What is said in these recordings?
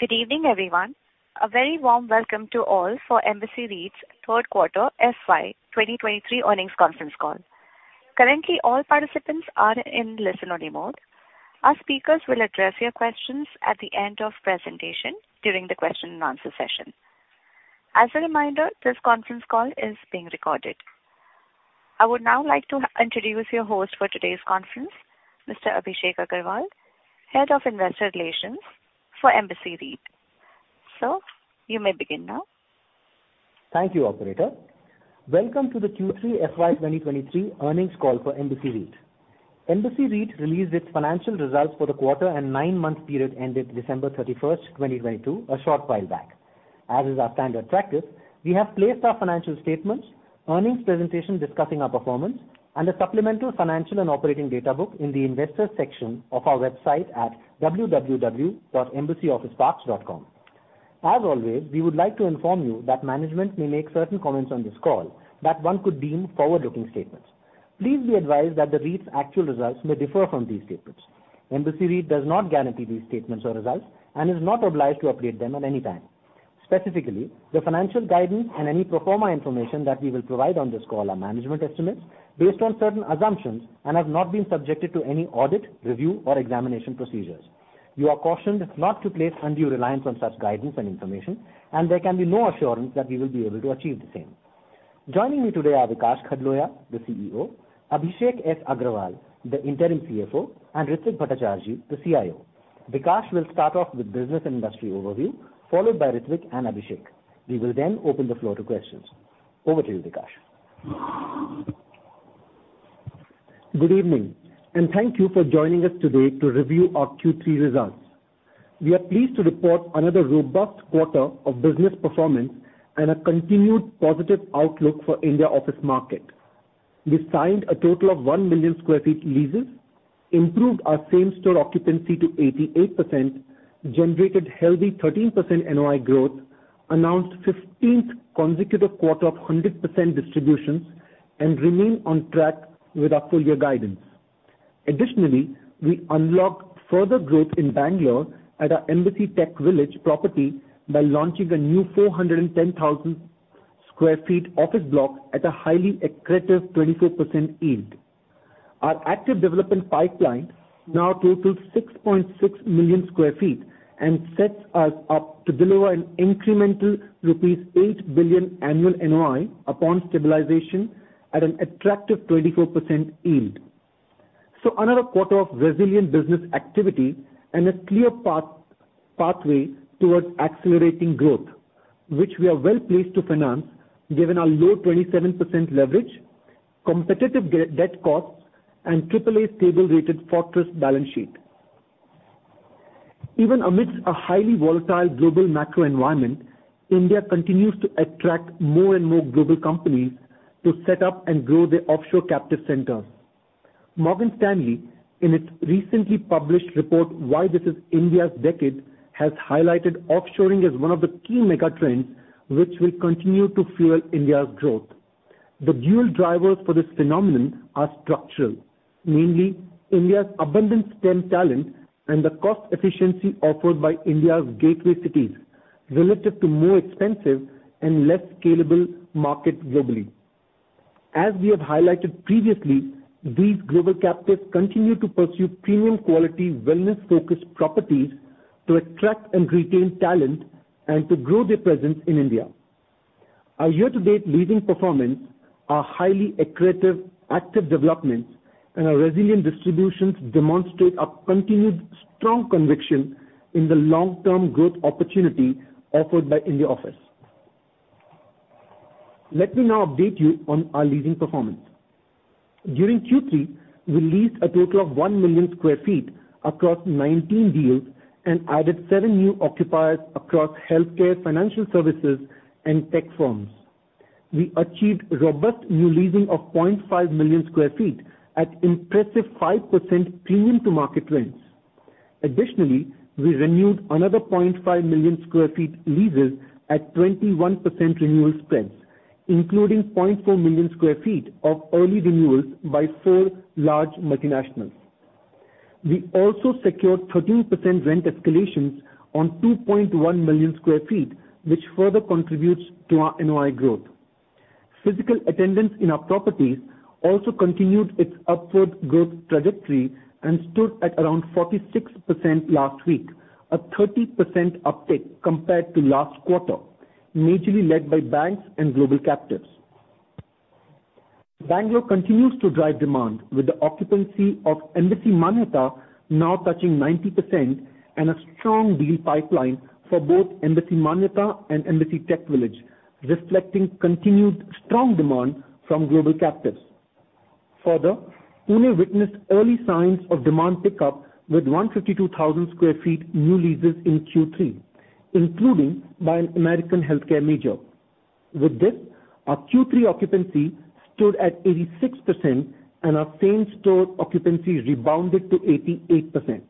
Good evening, everyone. A very warm welcome to all for Embassy REIT's Third Quarter FY 2023 Earnings Conference Call. Currently, all participants are in listen-only mode. Our speakers will address your questions at the end of presentation during the question and answer session. As a reminder, this conference call is being recorded. I would now like to introduce your host for today's conference, Mr. Abhishek Agarwal, head of investor relations for Embassy REIT. Sir, you may begin now. Thank you, operator. Welcome to the Q3 FY 2023 Earnings Call for Embassy REIT. Embassy REIT released its financial results for the quarter and nine-month period ended December 31st, 2022, a short while back. As is our standard practice, we have placed our financial statements, earnings presentation discussing our performance, and a supplemental financial and operating data book in the investors section of our website at www.embassyofficeparks.com. As always, we would like to inform you that management may make certain comments on this call that one could deem forward-looking statements. Please be advised that the REIT's actual results may differ from these statements. Embassy REIT does not guarantee these statements or results and is not obliged to update them at any time. Specifically, the financial guidance and any pro forma information that we will provide on this call are management estimates based on certain assumptions and have not been subjected to any audit, review, or examination procedures. You are cautioned not to place undue reliance on such guidance and information, and there can be no assurance that we will be able to achieve the same. Joining me today are Vikaash Khdloya, the CEO, Abhishek S. Agrawal, the interim CFO, and Ritwik Bhattacharjee, the CIO. Vikaash will start off with business and industry overview, followed by Ritwik and Abhishek. We will then open the floor to questions. Over to you, Vikaash. Good evening, thank you for joining us today to review our Q3 results. We are pleased to report another robust quarter of business performance and a continued positive outlook for India office market. We signed a total of 1 million sq ft leases, improved our same-store occupancy to 88%, generated healthy 13% NOI growth, announced 15th consecutive quarter of 100% distributions, and remain on track with our full year guidance. Additionally, we unlocked further growth in Bangalore at our Embassy TechVillage property by launching a new 410,000 sq ft office block at a highly accretive 24% yield. Our active development pipeline now totals 6.6 million sq ft and sets us up to deliver an incremental rupees 8 billion annual NOI upon stabilization at an attractive 24% yield. Another quarter of resilient business activity and a clear pathway towards accelerating growth, which we are well-placed to finance, given our low 27% leverage, competitive debt costs, and triple A stable rated fortress balance sheet. Even amidst a highly volatile global macro environment, India continues to attract more and more global companies to set up and grow their offshore captive centers. Morgan Stanley, in its recently published report, Why This Is India's Decade, has highlighted offshoring as one of the key mega trends which will continue to fuel India's growth. The dual drivers for this phenomenon are structural, mainly India's abundant STEM talent and the cost efficiency offered by India's gateway cities relative to more expensive and less scalable markets globally. As we have highlighted previously, these global captives continue to pursue premium quality, wellness-focused properties to attract and retain talent and to grow their presence in India. Our year-to-date leasing performance, our highly accretive active developments, and our resilient distributions demonstrate our continued strong conviction in the long-term growth opportunity offered by India office. Let me now update you on our leasing performance. During Q3, we leased a total of 1 million sq ft across 19 deals and added seven new occupiers across healthcare, financial services, and tech firms. We achieved robust new leasing of 0.5 million sq ft at impressive 5% premium to market rents. Additionally, we renewed another 0.5 million sq ft leases at 21% renewal spreads, including 0.4 million sq ft of early renewals by four large multinationals. We also secured 13% rent escalations on 2.1 million sq ft, which further contributes to our NOI growth. Physical attendance in our properties also continued its upward growth trajectory and stood at around 46% last week, a 30% uptick compared to last quarter, majorly led by banks and global captives. Bengaluru continues to drive demand with the occupancy of Embassy Manyata now touching 90% and a strong deal pipeline for both Embassy Manyata and Embassy TechVillage, reflecting continued strong demand from global captives. Pune witnessed early signs of demand pickup with 152,000 sq ft new leases in Q3, including by an American healthcare major. With this, our Q3 occupancy stood at 86%, and our same-store occupancy rebounded to 88%.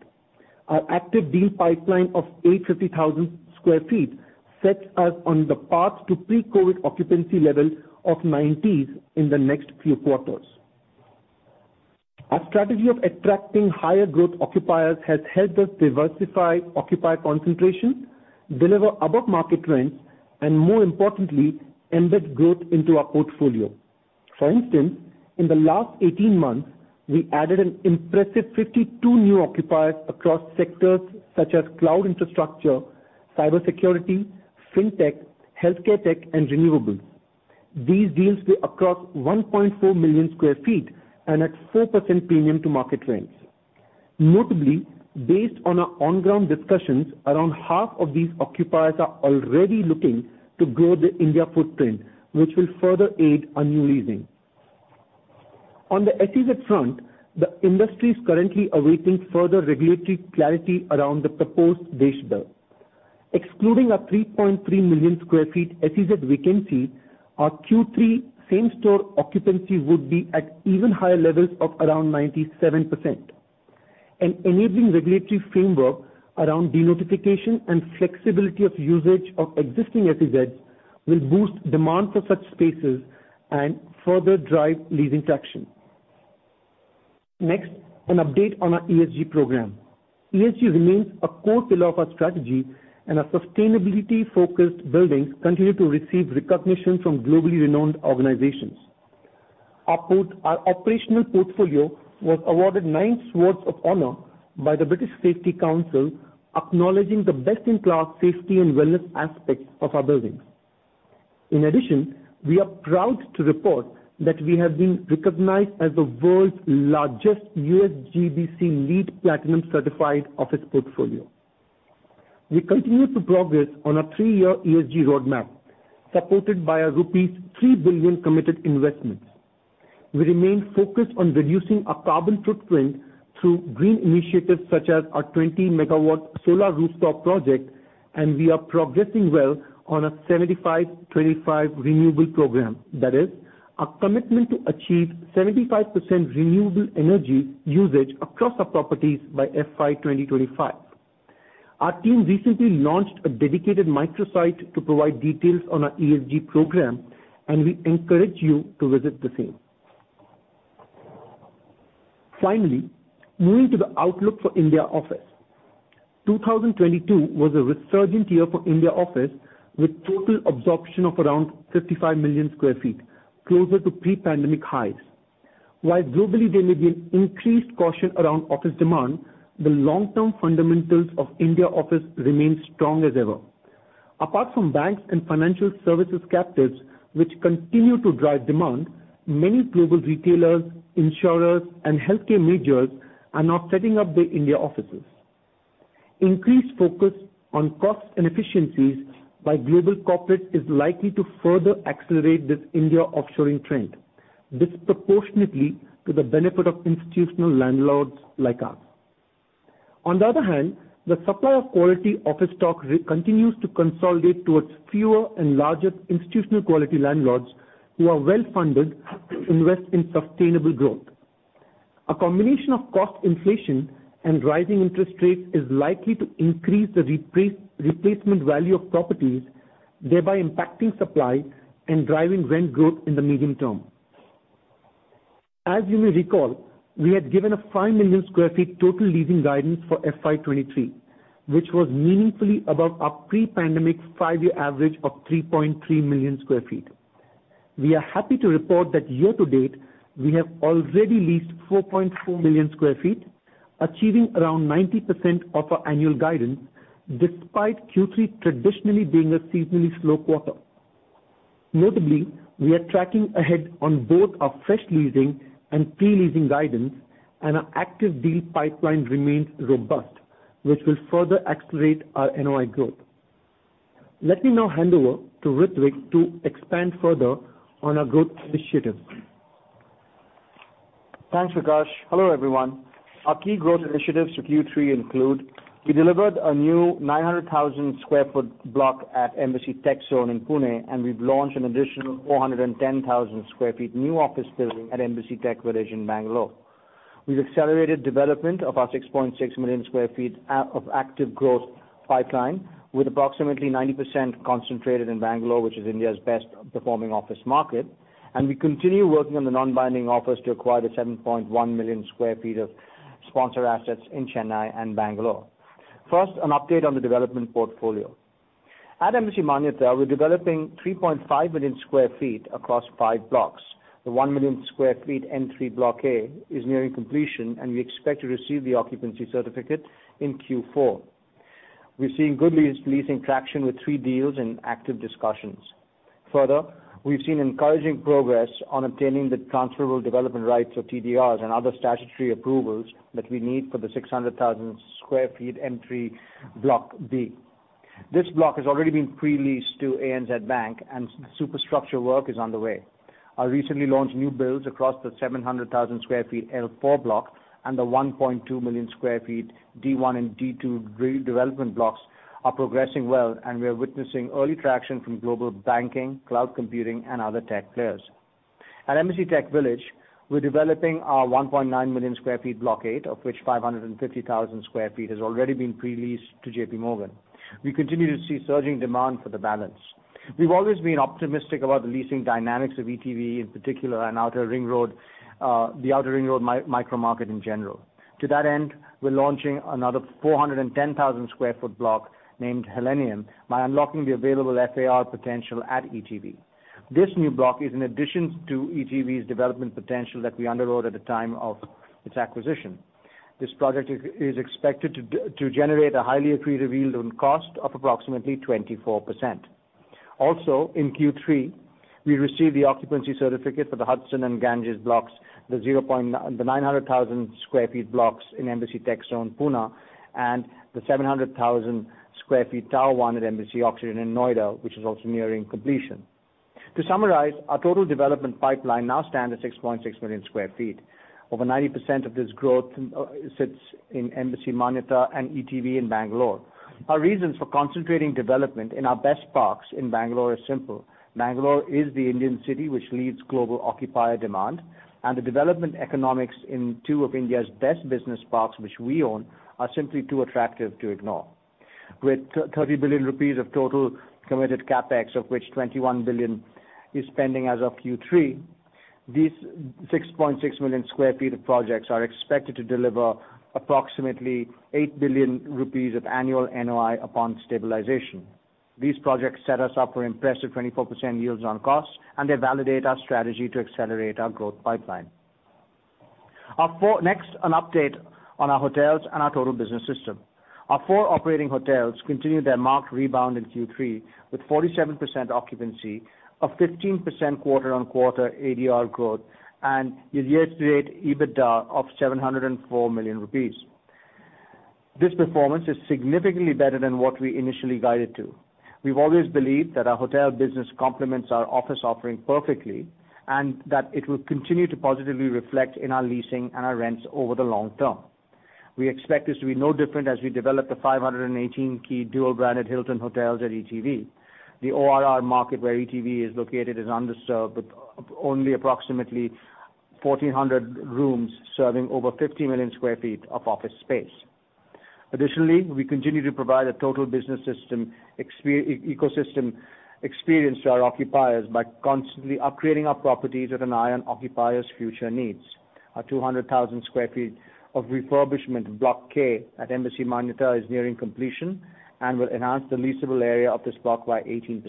Our active deal pipeline of 850,000 sq ft sets us on the path to pre-COVID occupancy levels of 90s in the next few quarters. Our strategy of attracting higher growth occupiers has helped us diversify occupier concentration, deliver above market rents, and more importantly, embed growth into our portfolio. For instance, in the last 18 months, we added an impressive 52 new occupiers across sectors such as cloud infrastructure, cybersecurity, fintech, healthcare tech, and renewables. These deals were across 1.4 million sq ft and at 4% premium to market rents. Notably, based on our on-ground discussions, around half of these occupiers are already looking to grow their India footprint, which will further aid our new leasing. On the SEZ front, the industry is currently awaiting further regulatory clarity around the proposed DESH Bill. Excluding our 3.3 million sq ft SEZ vacancy, our Q3 same-store occupancy would be at even higher levels of around 97%. An enabling regulatory framework around denotification and flexibility of usage of existing SEZs will boost demand for such spaces and further drive leasing traction. An update on our ESG program. ESG remains a core pillar of our strategy, our sustainability-focused buildings continue to receive recognition from globally renowned organizations. Our operational portfolio was awarded nine Sword of Honour by the British Safety Council, acknowledging the best-in-class safety and wellness aspects of our buildings. In addition, we are proud to report that we have been recognized as the world's largest USGBC LEED Platinum-certified office portfolio. We continue to progress on our three-year ESG roadmap, supported by our rupees 3 billion committed investments. We remain focused on reducing our carbon footprint through green initiatives such as our 20-megawatt solar rooftop project. We are progressing well on our 75/25 renewable program. That is our commitment to achieve 75% renewable energy usage across our properties by FY2025. Our team recently launched a dedicated microsite to provide details on our ESG program. We encourage you to visit the same. Finally, moving to the outlook for India office. 2022 was a resurgent year for India office, with total absorption of around 55 million sq ft, closer to pre-pandemic highs. While globally there may be an increased caution around office demand, the long-term fundamentals of India office remain strong as ever. Apart from banks and financial services captives, which continue to drive demand, many global retailers, insurers, and healthcare majors are now setting up their India offices. Increased focus on cost and efficiencies by global corporates is likely to further accelerate this India offshoring trend, disproportionately to the benefit of institutional landlords like us. The supply of quality office stock continues to consolidate towards fewer and larger institutional quality landlords who are well-funded to invest in sustainable growth. A combination of cost inflation and rising interest rates is likely to increase the replacement value of properties, thereby impacting supply and driving rent growth in the medium term. As you may recall, we had given a 5 million sq ft total leasing guidance for FY23, which was meaningfully above our pre-pandemic five-year average of 3.3 million sq ft. We are happy to report that year to date, we have already leased 4.4 million sq ft, achieving around 90% of our annual guidance despite Q3 traditionally being a seasonally slow quarter. Notably, we are tracking ahead on both our fresh leasing and pre-leasing guidance, and our active deal pipeline remains robust, which will further accelerate our NOI growth. Let me now hand over to Ritwik to expand further on our growth initiatives. Thanks, Vikaash. Hello, everyone. Our key growth initiatives for Q3 include: We delivered a new 900,000 sq ft block at Embassy TechZone in Pune. We've launched an additional 410,000 sq ft new office building at Embassy TechVillage in Bengaluru. We've accelerated development of our 6.6 million sq ft of active growth pipeline, with approximately 90% concentrated in Bengaluru, which is India's best performing office market. We continue working on the non-binding offers to acquire the 7.1 million sq ft of sponsor assets in Chennai and Bengaluru. First, an update on the development portfolio. At Embassy Manyata, we're developing 3.5 million sq ft across five blocks. The 1 million sq ft N3 Block A is nearing completion, and we expect to receive the occupancy certificate in Q4. We're seeing good lease, leasing traction with three deals in active discussions. Further, we've seen encouraging progress on obtaining the Transferable Development Rights, or TDRs, and other statutory approvals that we need for the 600,000 sq ft N3 Block B. This block has already been pre-leased to ANZ Bank and superstructure work is underway. Our recently launched new builds across the 700,000 sq ft L4 block and the 1.2 million sq ft D1 and D2 redevelopment blocks are progressing well, and we are witnessing early traction from global banking, cloud computing, and other tech players. At Embassy TechVillage, we're developing our 1.9 million sq ft Block 8, of which 550,000 sq ft has already been pre-leased to JPMorgan. We continue to see surging demand for the balance. We've always been optimistic about the leasing dynamics of ETV, in particular, and Outer Ring Road, the Outer Ring Road micro market in general. To that end, we're launching another 410,000 sq ft block named Helenium by unlocking the available FAR potential at ETV. This new block is an addition to ETV's development potential that we underwrote at the time of its acquisition. This project is expected to generate a highly accretive yield on cost of approximately 24%. Also, in Q3, we received the occupancy certificate for the Hudson and Ganges blocks, the 900,000 sq ft blocks in Embassy TechZone, Pune, and the 700,000 sq ft Tower 1 at Embassy Oxygen in Noida, which is also nearing completion. To summarize, our total development pipeline now stand at 6.6 million sq ft. Over 90% of this growth sits in Embassy Manyata and ETV in Bengaluru. Our reasons for concentrating development in our best parks in Bengaluru is simple. Bengaluru is the Indian city which leads global occupier demand, and the development economics in two of India's best business parks, which we own, are simply too attractive to ignore. With 30 billion rupees of total committed CapEx, of which 21 billion is spending as of Q3, these 6.6 million sq ft of projects are expected to deliver approximately 8 billion rupees of annual NOI upon stabilization. These projects set us up for impressive 24% yield on cost, and they validate our strategy to accelerate our growth pipeline. Next, an update on our hotels and our total business system. Our four operating hotels continued their marked rebound in Q3 with 47% occupancy, a 15% quarter-on-quarter ADR growth, and a year-to-date EBITDA of 704 million rupees. This performance is significantly better than what we initially guided to. We've always believed that our hotel business complements our office offering perfectly, and that it will continue to positively reflect in our leasing and our rents over the long term. We expect this to be no different as we develop the 518 key dual-branded Hilton hotels at ETV. The ORR market where ETV is located is underserved with only approximately 1,400 rooms, serving over 50 million sq ft of office space. Additionally, we continue to provide a total business ecosystem experience to our occupiers by constantly upgrading our properties with an eye on occupiers' future needs. Our 200,000 sq ft of refurbishment of Block K at Embassy Manyata is nearing completion and will enhance the leasable area of this block by 18%.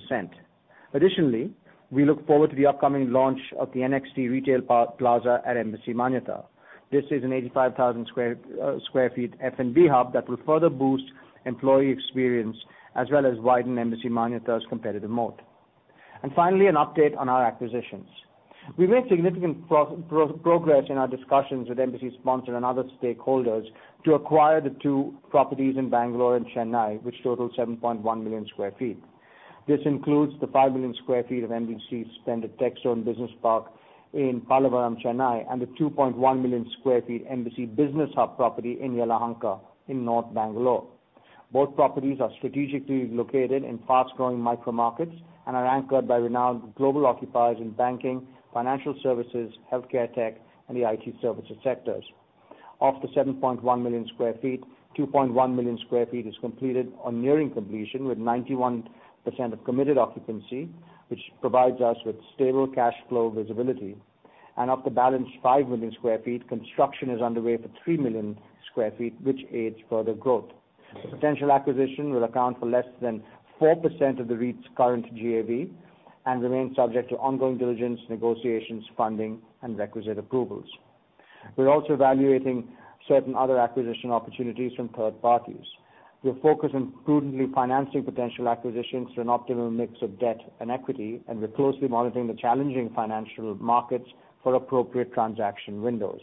Additionally, we look forward to the upcoming launch of the NXT Retail Plaza at Embassy Manyata. This is an 85,000 sq ft F&B hub that will further boost employee experience as well as widen Embassy Manyata's competitive moat. Finally, an update on our acquisitions. We've made significant progress in our discussions with Embassy's sponsor and other stakeholders to acquire the two properties in Bangalore and Chennai, which total 7.1 million sq ft. This includes the 5 million sq ft of Embassy Splendid TechZone business park in Pallavaram, Chennai, and the 2.1 million sq ft Embassy Business Hub property in Yelahanka in North Bangalore. Both properties are strategically located in fast-growing micro markets and are anchored by renowned global occupiers in banking, financial services, healthcare tech, and the IT services sectors. Of the 7.1 million sq ft, 2.1 million sq ft is completed or nearing completion with 91% of committed occupancy, which provides us with stable cash flow visibility. Of the balanced 5 million sq ft, construction is underway for 3 million sq ft, which aids further growth. The potential acquisition will account for less than 4% of the REIT's current GAV and remains subject to ongoing diligence, negotiations, funding, and requisite approvals. We're also evaluating certain other acquisition opportunities from third parties. We're focused on prudently financing potential acquisitions through an optimal mix of debt and equity, we're closely monitoring the challenging financial markets for appropriate transaction windows.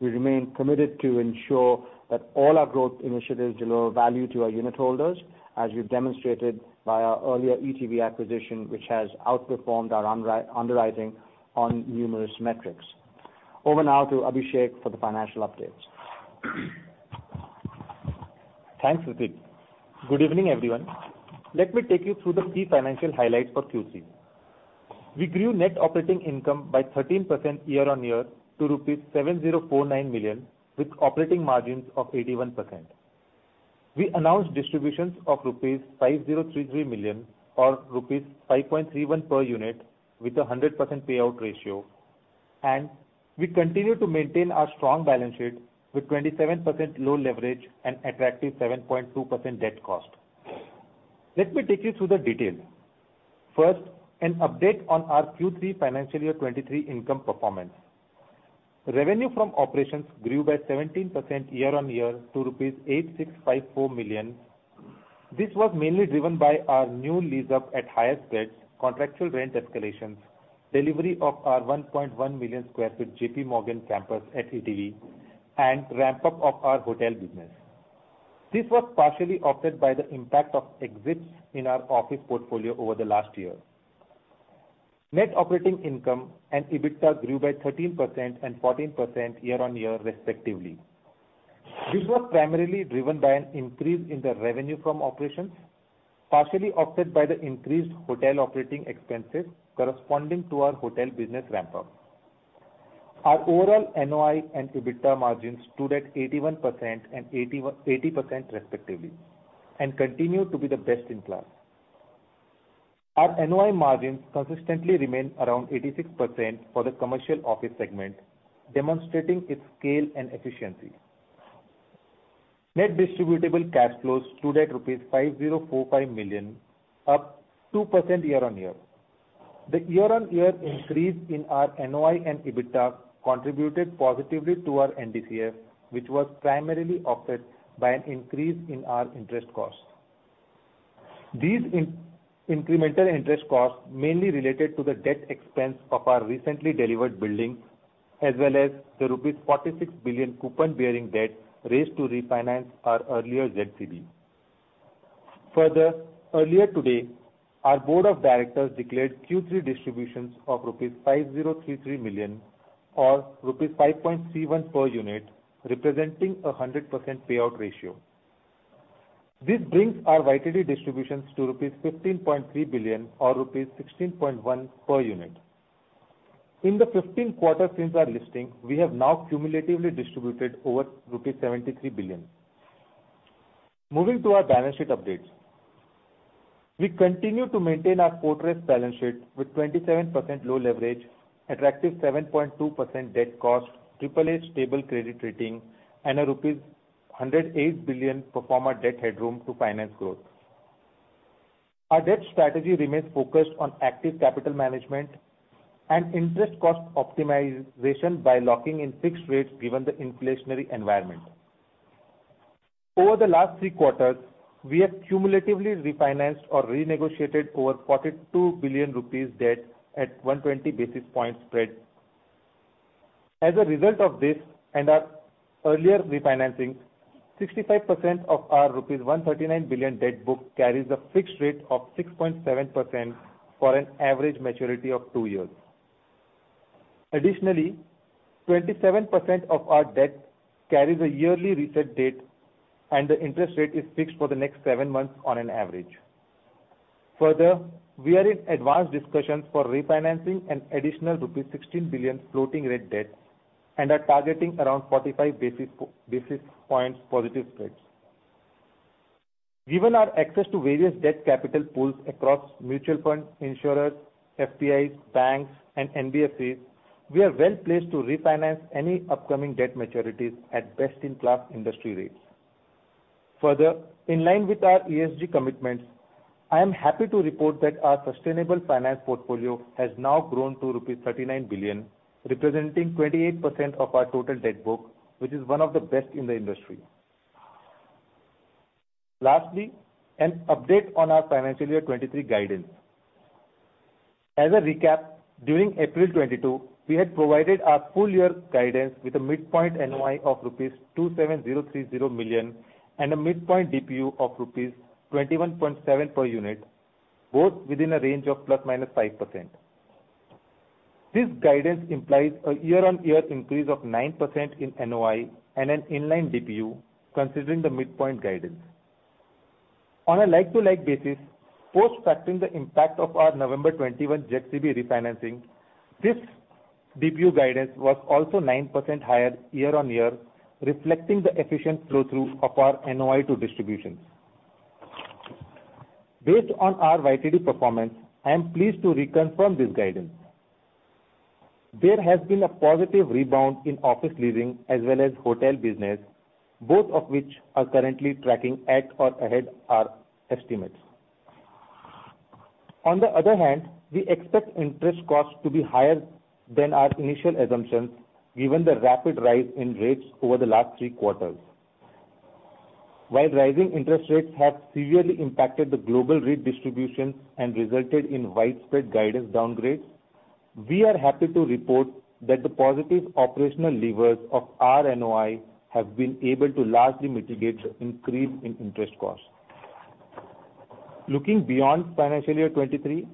We remain committed to ensure that all our growth initiatives deliver value to our unit holders, as we've demonstrated by our earlier ETV acquisition, which has outperformed our underwriting on numerous metrics. Over now to Abhishek for the financial updates. Thanks, Ritwik. Good evening, everyone. Let me take you through the key financial highlights for Q3. We grew net operating income by 13% year-on-year to rupees 7,049 million with operating margins of 81%. We announced distributions of rupees 5,033 million, or rupees 5.31 per unit, with a 100% payout ratio. We continue to maintain our strong balance sheet with 27% low leverage and attractive 7.2% debt cost. Let me take you through the details. First, an update on our Q3 financial year 2023 income performance. Revenue from operations grew by 17% year-on-year to rupees 8,654 million. This was mainly driven by our new lease up at higher rents, contractual rent escalations, delivery of our 1.1 million sq ft JPMorgan campus at ETV, and ramp-up of our hotel business. This was partially offset by the impact of exits in our office portfolio over the last year. Net operating income and EBITDA grew by 13% and 14% year-on-year respectively. This was primarily driven by an increase in the revenue from operations, partially offset by the increased hotel operating expenses corresponding to our hotel business ramp-up. Our overall NOI and EBITDA margins stood at 81% and 80% respectively, and continue to be the best in class. Our NOI margins consistently remain around 86% for the commercial office segment, demonstrating its scale and efficiency. Net distributable cash flows stood at 5,045 million rupees, up 2% year-on-year. The year-on-year increase in our NOI and EBITDA contributed positively to our NDCF, which was primarily offset by an increase in our interest costs. These incremental interest costs mainly related to the debt expense of our recently delivered buildings, as well as the rupees 46 billion coupon-bearing debt raised to refinance our earlier ZCBs. Earlier today, our board of directors declared Q3 distributions of rupees 5,033 million, or rupees 5.31 per unit, representing a 100% payout ratio. This brings our YTD distributions to 15.3 billion rupees or 16.1 rupees per unit. In the 15 quarters since our listing, we have now cumulatively distributed over rupees 73 billion. Moving to our balance sheet updates. We continue to maintain our fortress balance sheet with 27% low leverage, attractive 7.2% debt cost, triple A stable credit rating, and a rupees 108 billion pro forma debt headroom to finance growth. Our debt strategy remains focused on active capital management and interest cost optimization by locking in fixed rates given the inflationary environment. Over the last three quarters, we have cumulatively refinanced or renegotiated over 42 billion rupees debt at 120 basis points spread. As a result of this and our earlier refinancing, 65% of our rupees 139 billion debt book carries a fixed rate of 6.7% for an average maturity of two years. Additionally, 27% of our debt carries a yearly reset date, and the interest rate is fixed for the next seven months on an average. We are in advanced discussions for refinancing an additional rupees 16 billion floating rate debt and are targeting around 45 basis points positive spreads. Given our access to various debt capital pools across mutual funds, insurers, FPIs, banks, and NBFCs, we are well-placed to refinance any upcoming debt maturities at best-in-class industry rates. In line with our ESG commitments, I am happy to report that our sustainable finance portfolio has now grown to rupees 39 billion, representing 28% of our total debt book, which is one of the best in the industry. Lastly, an update on our financial year 2023 guidance. As a recap, during April 2022, we had provided our full year guidance with a midpoint NOI of rupees 27,030 million and a midpoint DPU of rupees 21.7 per unit, both within a range of +/-5%. This guidance implies a year-on-year increase of 9% in NOI and an in-line DPU considering the midpoint guidance. On a like-to-like basis, post factoring the impact of our November 2021 ZCB refinancing, this DPU guidance was also 9% higher year-on-year, reflecting the efficient flow through of our NOI to distributions. Based on our YTD performance, I am pleased to reconfirm this guidance. There has been a positive rebound in office leasing as well as hotel business, both of which are currently tracking at or ahead our estimates. On the other hand, we expect interest costs to be higher than our initial assumptions, given the rapid rise in rates over the last three quarters. While rising interest rates have severely impacted the global redistribution and resulted in widespread guidance downgrades, we are happy to report that the positive operational levers of our NOI have been able to largely mitigate the increase in interest costs. Looking beyond financial year 23,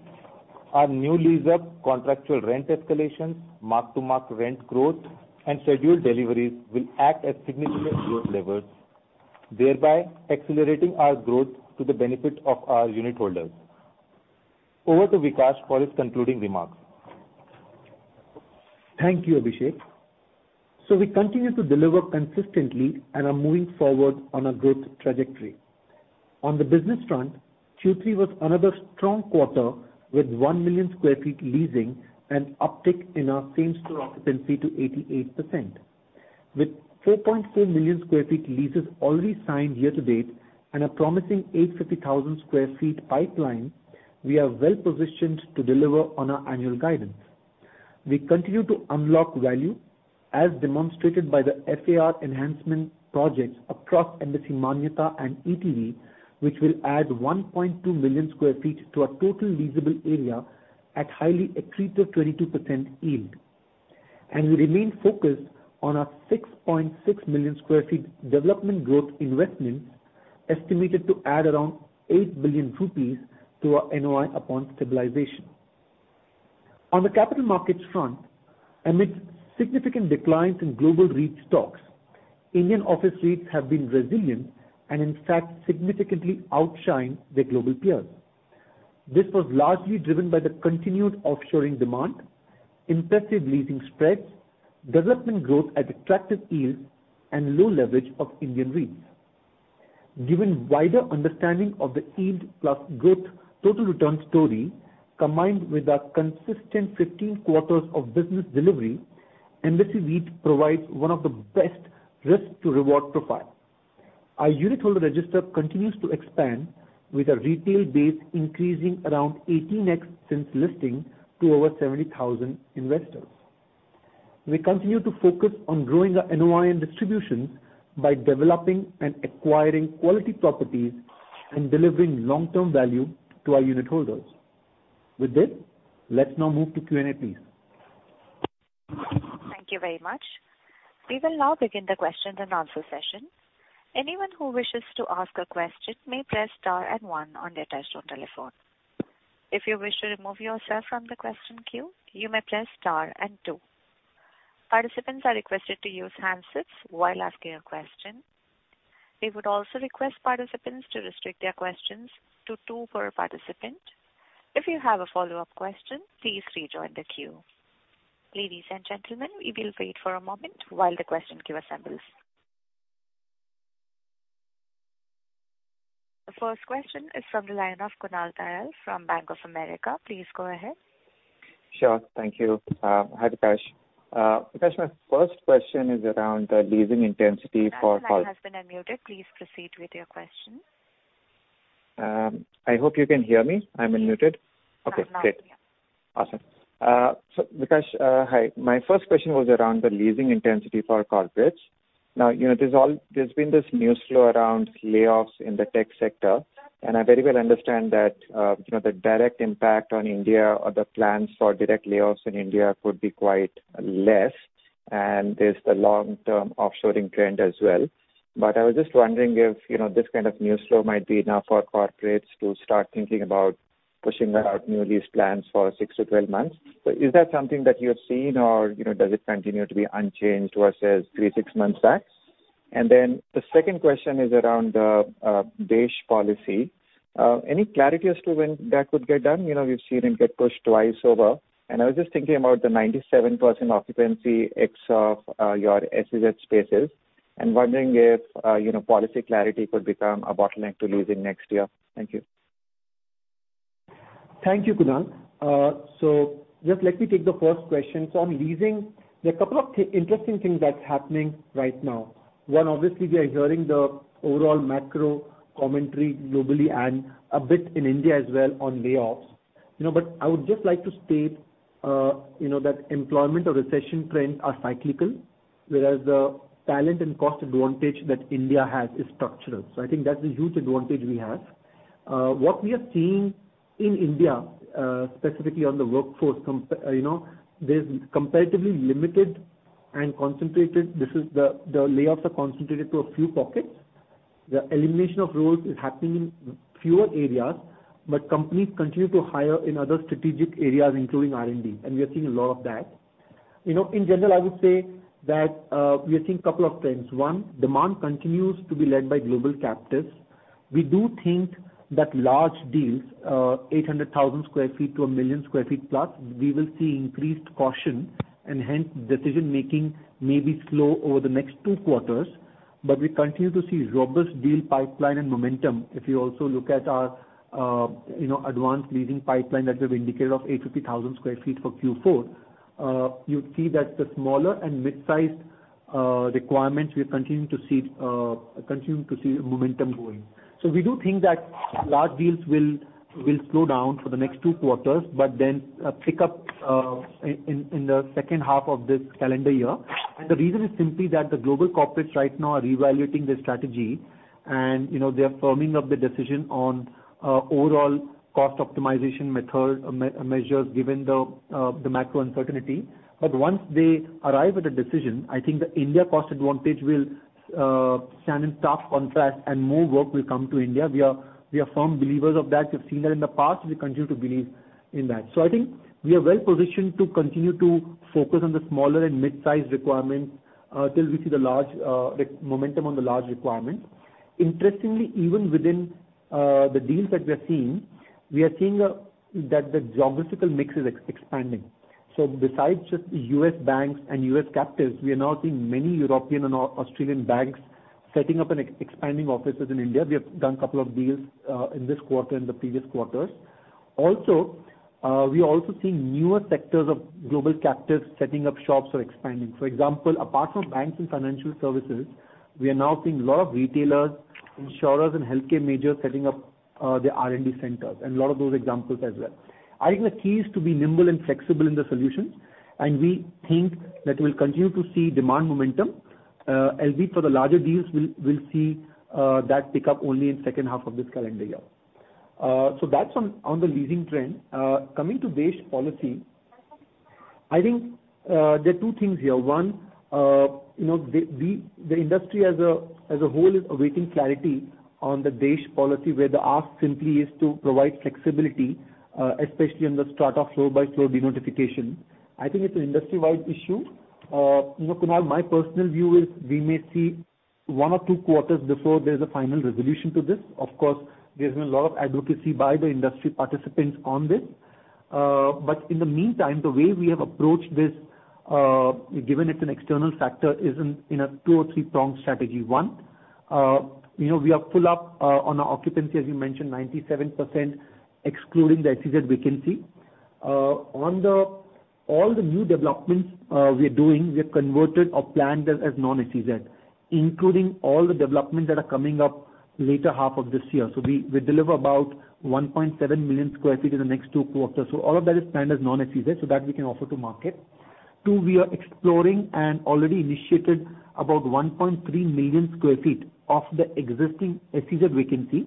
our new lease-up contractual rent escalations, mark-to-mark rent growth, and scheduled deliveries will act as significant growth levers, thereby accelerating our growth to the benefit of our unit holders. Over to Vikaash for his concluding remarks. Thank you, Abhishek. We continue to deliver consistently and are moving forward on our growth trajectory. On the business front, Q3 was another strong quarter with 1 million sq ft leasing, an uptick in our same-store occupancy to 88%. With 4.4 million sq ft leases already signed year-to-date and a promising 850,000 sq ft pipeline, we are well-positioned to deliver on our annual guidance. We continue to unlock value as demonstrated by the FAR enhancement projects across Embassy Manyata and ETV, which will add 1.2 million sq ft to our total leasable area at highly accretive 22% yield. We remain focused on our 6.6 million sq ft development growth investments estimated to add around 8 billion rupees to our NOI upon stabilization. On the capital markets front, amid significant declines in global REIT stocks, Indian office REITs have been resilient and in fact, significantly outshine their global peers. This was largely driven by the continued offshoring demand, impressive leasing spreads, development growth at attractive yields, and low leverage of Indian REITs. Given wider understanding of the yield plus growth total return story, combined with our consistent 15 quarters of business delivery, Embassy REIT provides one of the best risk-reward profile. Our unitholder register continues to expand with our retail base increasing around 18x since listing to over 70,000 investors. We continue to focus on growing our NOI and distribution by developing and acquiring quality properties and delivering long-term value to our unitholders. With this, let's now move to Q&A, please. Thank you very much. We will now begin the question and answer session. Anyone who wishes to ask a question may press star and one on their touchtone telephone. If you wish to remove yourself from the question queue, you may press star and two. Participants are requested to use handsets while asking a question. We would also request participants to restrict their questions to two per participant. If you have a follow-up question, please rejoin the queue. Ladies and gentlemen, we will wait for a moment while the question queue assembles. The first question is from the line of Kunal Tayal from Bank of America. Please go ahead. Sure. Thank you. Hi, Vikaash, my first question is around the leasing intensity. Your line has been unmuted. Please proceed with your question. I hope you can hear me. I'm unmuted. Yes. Okay, great. I'm now hearing you. Awesome. Vikaash, hi. My first question was around the leasing intensity for corporates. You know, there's been this news flow around layoffs in the tech sector, I very well understand that, you know, the direct impact on India or the plans for direct layoffs in India could be quite less. There's the long-term offshoring trend as well. I was just wondering if, you know, this kind of news flow might be enough for corporates to start thinking about pushing out new lease plans for 6-12 months. Is that something that you have seen or, you know, does it continue to be unchanged versus three, six months back? The second question is around DESH policy. Any clarity as to when that could get done? You know, we've seen it get pushed twice over, and I was just thinking about the 97% occupancy ex of your SEZ spaces and wondering if, you know, policy clarity could become a bottleneck to leasing next year. Thank you. Thank you, Kunal. Just let me take the first question. On leasing, there are a couple of interesting things that's happening right now. One, obviously we are hearing the overall macro commentary globally and a bit in India as well on layoffs. You know, I would just like to state, you know, that employment or recession trends are cyclical, whereas the talent and cost advantage that India has is structural. I think that's a huge advantage we have. What we are seeing in India, specifically on the workforce, you know, there's comparatively limited and concentrated. This is the layoffs are concentrated to a few pockets. The elimination of roles is happening in fewer areas, but companies continue to hire in other strategic areas, including R&D, and we are seeing a lot of that. You know, in general, I would say that we are seeing a couple of trends. One, demand continues to be led by global captives. We do think that large deals, 800,000 sq ft to 1 million sq ft plus, we will see increased caution and hence decision making may be slow over the next two quarters. We continue to see robust deal pipeline and momentum. If you also look at our, you know, advanced leasing pipeline that we've indicated of 850,000 sq ft for Q4, you'd see that the smaller and mid-sized requirements, we're continuing to see momentum going. We do think that large deals will slow down for the next two quarters pick up in the second half of this calendar year. The reason is simply that the global corporates right now are reevaluating their strategy and, you know, they are firming up the decision on overall cost optimization measures given the macro uncertainty. Once they arrive at a decision, I think the India cost advantage will stand in tough contrast and more work will come to India. We are firm believers of that. We've seen that in the past. We continue to believe in that. I think we are well positioned to continue to focus on the smaller and mid-sized requirements till we see the large the momentum on the large requirements. Interestingly, even within the deals that we're seeing, we are seeing that the geographical mix is expanding. Besides just U.S. banks and U.S. captives, we are now seeing many European and Australian banks setting up and expanding offices in India. We have done a couple of deals in this quarter and the previous quarters. We are also seeing newer sectors of global captives setting up shops or expanding. For example, apart from banks and financial services, we are now seeing a lot of retailers, insurers, and healthcare majors setting up their R&D centers, and a lot of those examples as well. I think the key is to be nimble and flexible in the solutions, and we think that we'll continue to see demand momentum. As we for the larger deals, we'll see that pick up only in second half of this calendar year. That's on the leasing trend. Coming to DESH policy, I think there are two things here. One, you know, the industry as a whole is awaiting clarity on the DESH policy, where the ask simply is to provide flexibility, especially on the startup floor-by-floor denotification. I think it's an industry-wide issue. You know, Kunal, my personal view is we may see one or two quarters before there's a final resolution to this. Of course, there's been a lot of advocacy by the industry participants on this. In the meantime, the way we have approached this, given it's an external factor, is in a two or three-prong strategy. One, you know, we are full up on our occupancy, as you mentioned, 97%, excluding the SEZ vacancy. All the new developments we are doing, we have converted or planned as non-SEZ, including all the developments that are coming up later half of this year. We deliver about 1.7 million sq ft in the next two quarters. All of that is planned as non-SEZ, so that we can offer to market. Two, we are exploring and already initiated about 1.3 million sq ft of the existing SEZ vacancy,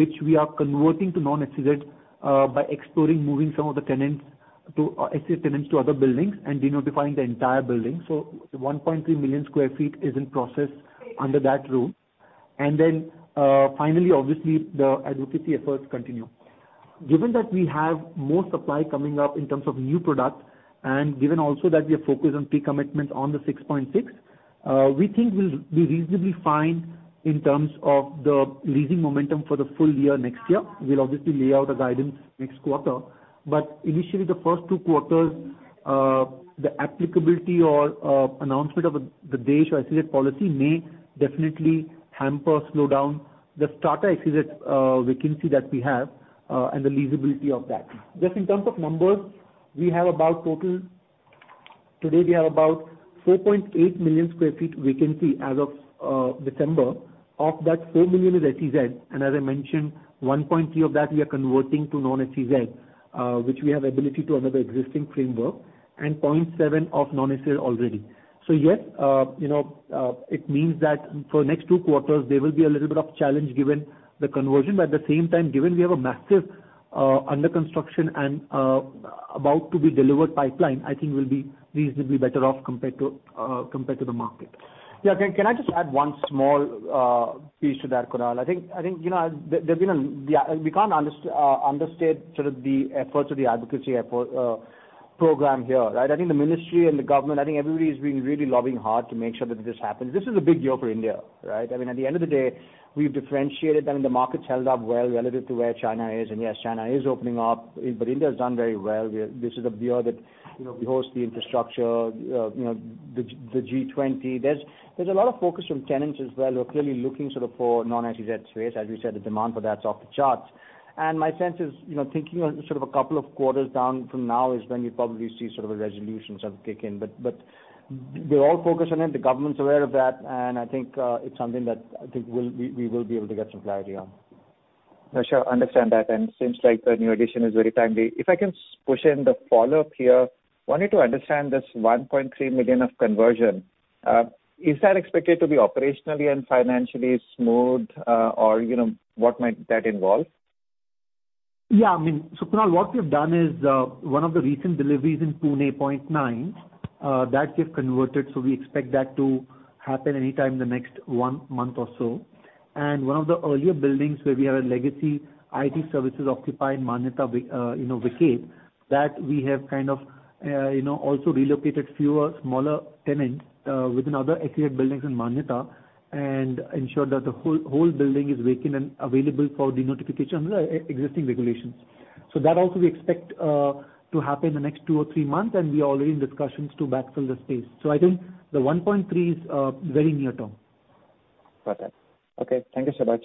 which we are converting to non-SEZ, by exploring moving some of the tenants to SEZ tenants to other buildings and denotifying the entire building. 1.3 million sq ft is in process under that route. Finally, obviously, the advocacy efforts continue. Given that we have more supply coming up in terms of new product and given also that we are focused on pre-commitment on the 6.6, we think we'll be reasonably fine in terms of the leasing momentum for the full year next year. We'll obviously lay out a guidance next quarter. Initially, the first two quarters, the applicability or announcement of the date or SEZ policy may definitely hamper or slow down the starter SEZ vacancy that we have and the leasability of that. Just in terms of numbers, we have about Today we have about 4.8 million sq ft vacancy as of December. Of that, 4 million is SEZ. As I mentioned, 1.3 of that we are converting to non-SEZ, which we have ability to under the existing framework, and 0.7 of non-SEZ already. Yes, you know, it means that for next two quarters, there will be a little bit of challenge given the conversion. At the same time, given we have a massive under construction and about to be delivered pipeline, I think we'll be reasonably better off compared to compared to the market. Can I just add one small piece to that, Kunal? I think, you know, there's been an. We can't understate sort of the efforts of the advocacy effort program here, right? I think the ministry and the government, I think everybody is being really lobbying hard to make sure that this happens. This is a big year for India, right? I mean, at the end of the day, we've differentiated. I mean, the market's held up well relative to where China is. Yes, China is opening up, but India has done very well. This is a year that, you know, we host the infrastructure, you know, the G20. There's a lot of focus from tenants as well who are clearly looking sort of for non-SEZ space. As we said, the demand for that's off the charts. My sense is, you know, thinking of sort of a couple of quarters down from now is when you probably see sort of a resolution sort of kick in. They're all focused on it. The government's aware of that. I think, it's something that I think we will be able to get some clarity on. No, sure. Understand that. Seems like the new addition is very timely. If I can push in the follow-up here, wanted to understand this 1.3 million of conversion, is that expected to be operationally and financially smooth, or, you know, what might that involve? Yeah, I mean, Kunal, what we have done is, one of the recent deliveries in Pune 0.9 that we have converted, we expect that to happen anytime in the next one month or so. One of the earlier buildings where we have a legacy IT services occupier in Manyata, you know, vacate, that we have kind of, you know, also relocated fewer smaller tenants within other SEZ buildings in Manyata and ensured that the whole building is vacant and available for denotification under existing regulations. That also we expect to happen in the next two or three months, and we are already in discussions to backfill the space. I think the 1.3 is very near term. Got that. Okay. Thank you so much.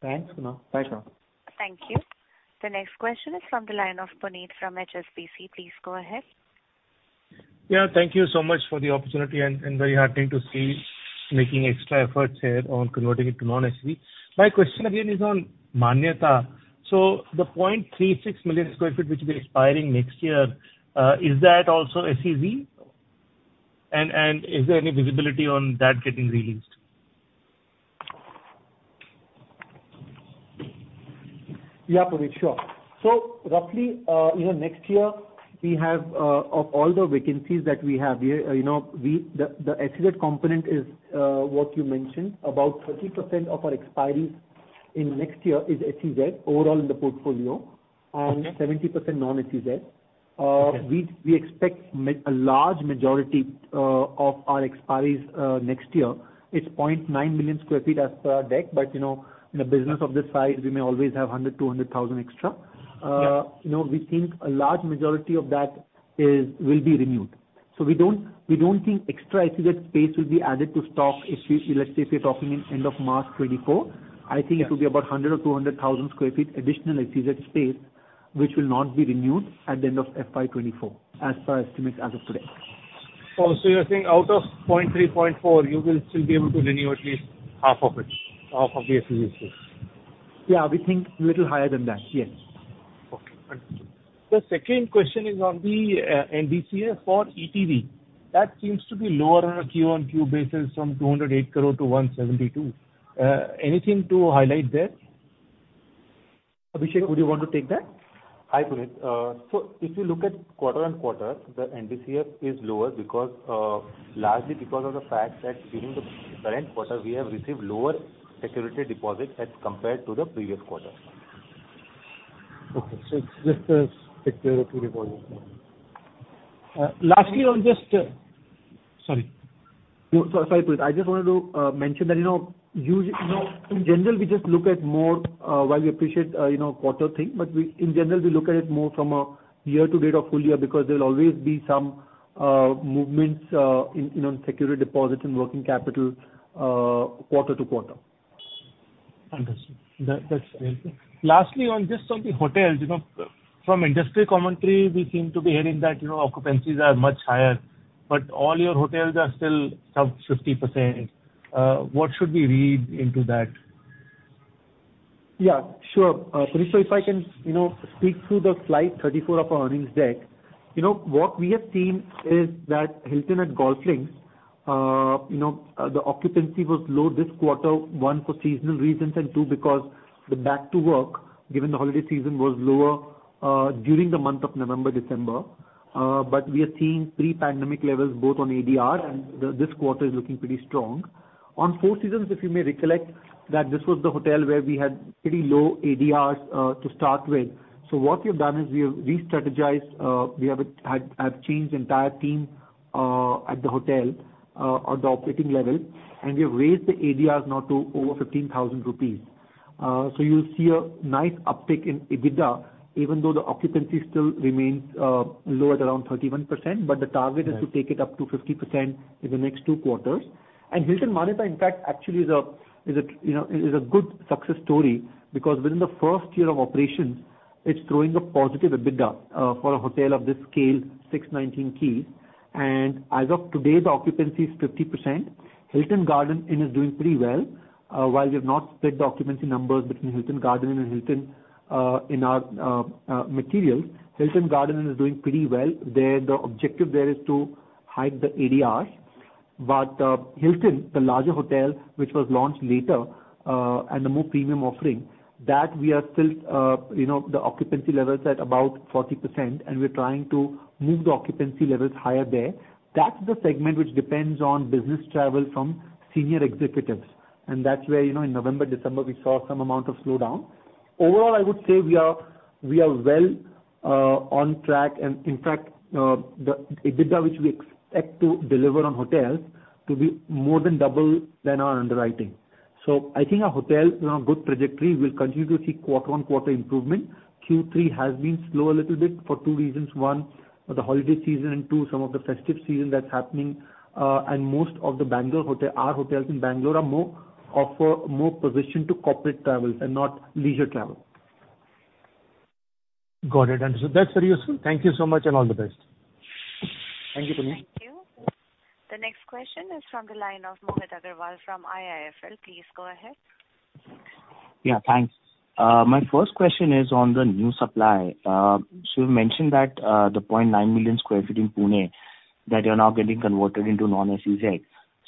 Thanks, Kunal. Thanks, Kunal. Thank you. The next question is from the line of Puneet from HSBC. Please go ahead. Yeah, thank you so much for the opportunity and very heartening to see making extra efforts here on converting it to non-SEZ. My question again is on Manyata. The 0.36 million sq ft which will be expiring next year, is that also SEZ? Is there any visibility on that getting re-leased? Yeah, Puneet, sure. Roughly, you know, next year, we have of all the vacancies that we have here, you know, the SEZ component is what you mentioned. About 30% of our expiries in next year is SEZ overall in the portfolio. Okay. 70% non-SEZ. Okay. We expect a large majority of our expiries next year, it's 0.9 million sq ft as per our deck. You know, in a business of this size, we may always have 100,000-200,000 extra. Yeah. You know, we think a large majority of that will be renewed. We don't think extra SEZ space will be added to stock if we let's say if we're talking in end of March 2024. Yeah. I think it will be about 100,000 or 200,000 sq ft additional SEZ space which will not be renewed at the end of FY 2024 as per estimates as of today. You're saying out of 0.3, 0.4, you will still be able to renew at least half of it, half of the SEZ space? Yeah, we think little higher than that. Yes. Okay. Understood. The second question is on the NOI for ETV. That seems to be lower on a quarter-on-quarter basis from 208 crore to 172. Anything to highlight there? Abhishek, would you want to take that? Hi, Puneet. if you look at quarter-on-quarter, the NDCF is lower because, largely because of the fact that during the current quarter, we have received lower security deposits as compared to the previous quarter. Okay. It's just a security deposit. Lastly on just. Sorry. No, sorry, Puneet. I just wanted to mention that, you know, in general, we just look at more, while we appreciate, you know, quarter thing, but in general, we look at it more from a year-to-date or full year because there'll always be some movements in, you know, security deposits and working capital, quarter-to-quarter. Understood. That's helpful. Lastly, on just on the hotels, you know, from industry commentary, we seem to be hearing that, you know, occupancies are much higher, but all your hotels are still sub 50%. What should we read into that? Yeah, sure. Puneet, if I can, you know, speak through the slide 34 of our earnings deck. What we have seen is that Hilton at GolfLinks, you know, the occupancy was low this quarter, one, for seasonal reasons, and two, because the back to work, given the holiday season was lower during the month of November, December. We are seeing pre-pandemic levels both on ADR and this quarter is looking pretty strong. On Four Seasons, if you may recollect, that this was the hotel where we had pretty low ADRs to start with. What we have done is we have re-strategized, we have changed the entire team at the hotel on the operating level, and we have raised the ADRs now to over INR 15,000.You'll see a nice uptick in EBITDA, even though the occupancy still remains low at around 31%. Right. Is to take it up to 50% in the next two quarters. And Hilton Manyata, in fact, actually is a you know, is a good success story because within the first year of operations, it's throwing a positive EBITDA for a hotel of this scale, 619 keys. As of today, the occupancy is 50%. Hilton Garden Inn is doing pretty well. While we have not split the occupancy numbers between Hilton Garden Inn and Hilton, in our materials, Hilton Garden Inn is doing pretty well. There, the objective there is to hike the ADRs. Hilton, the larger hotel, which was launched later, and a more premium offering, that we are still, you know, the occupancy level is at about 40%, and we're trying to move the occupancy levels higher there. That's the segment which depends on business travel from senior executives, and that's where, you know, in November, December, we saw some amount of slowdown. Overall, I would say we are well on track. In fact, the EBITDA which we expect to deliver on hotels to be more than double than our underwriting. I think our hotels are on a good trajectory. We'll continue to see quarter-on-quarter improvement. Q3 has been slow a little bit for two reasons. One, the holiday season, and two, some of the festive season that's happening. Most of our hotels in Bengaluru offer more position to corporate travel and not leisure travel. Got it. Understood. That's very useful. Thank you so much, and all the best. Thank you, Puneet. Thank you. The next question is from the line of Mohit Agrawal from IIFL. Please go ahead. Yeah, thanks. My first question is on the new supply. You've mentioned that the 0.9 million sq ft in Pune that you're now getting converted into non-SEZ.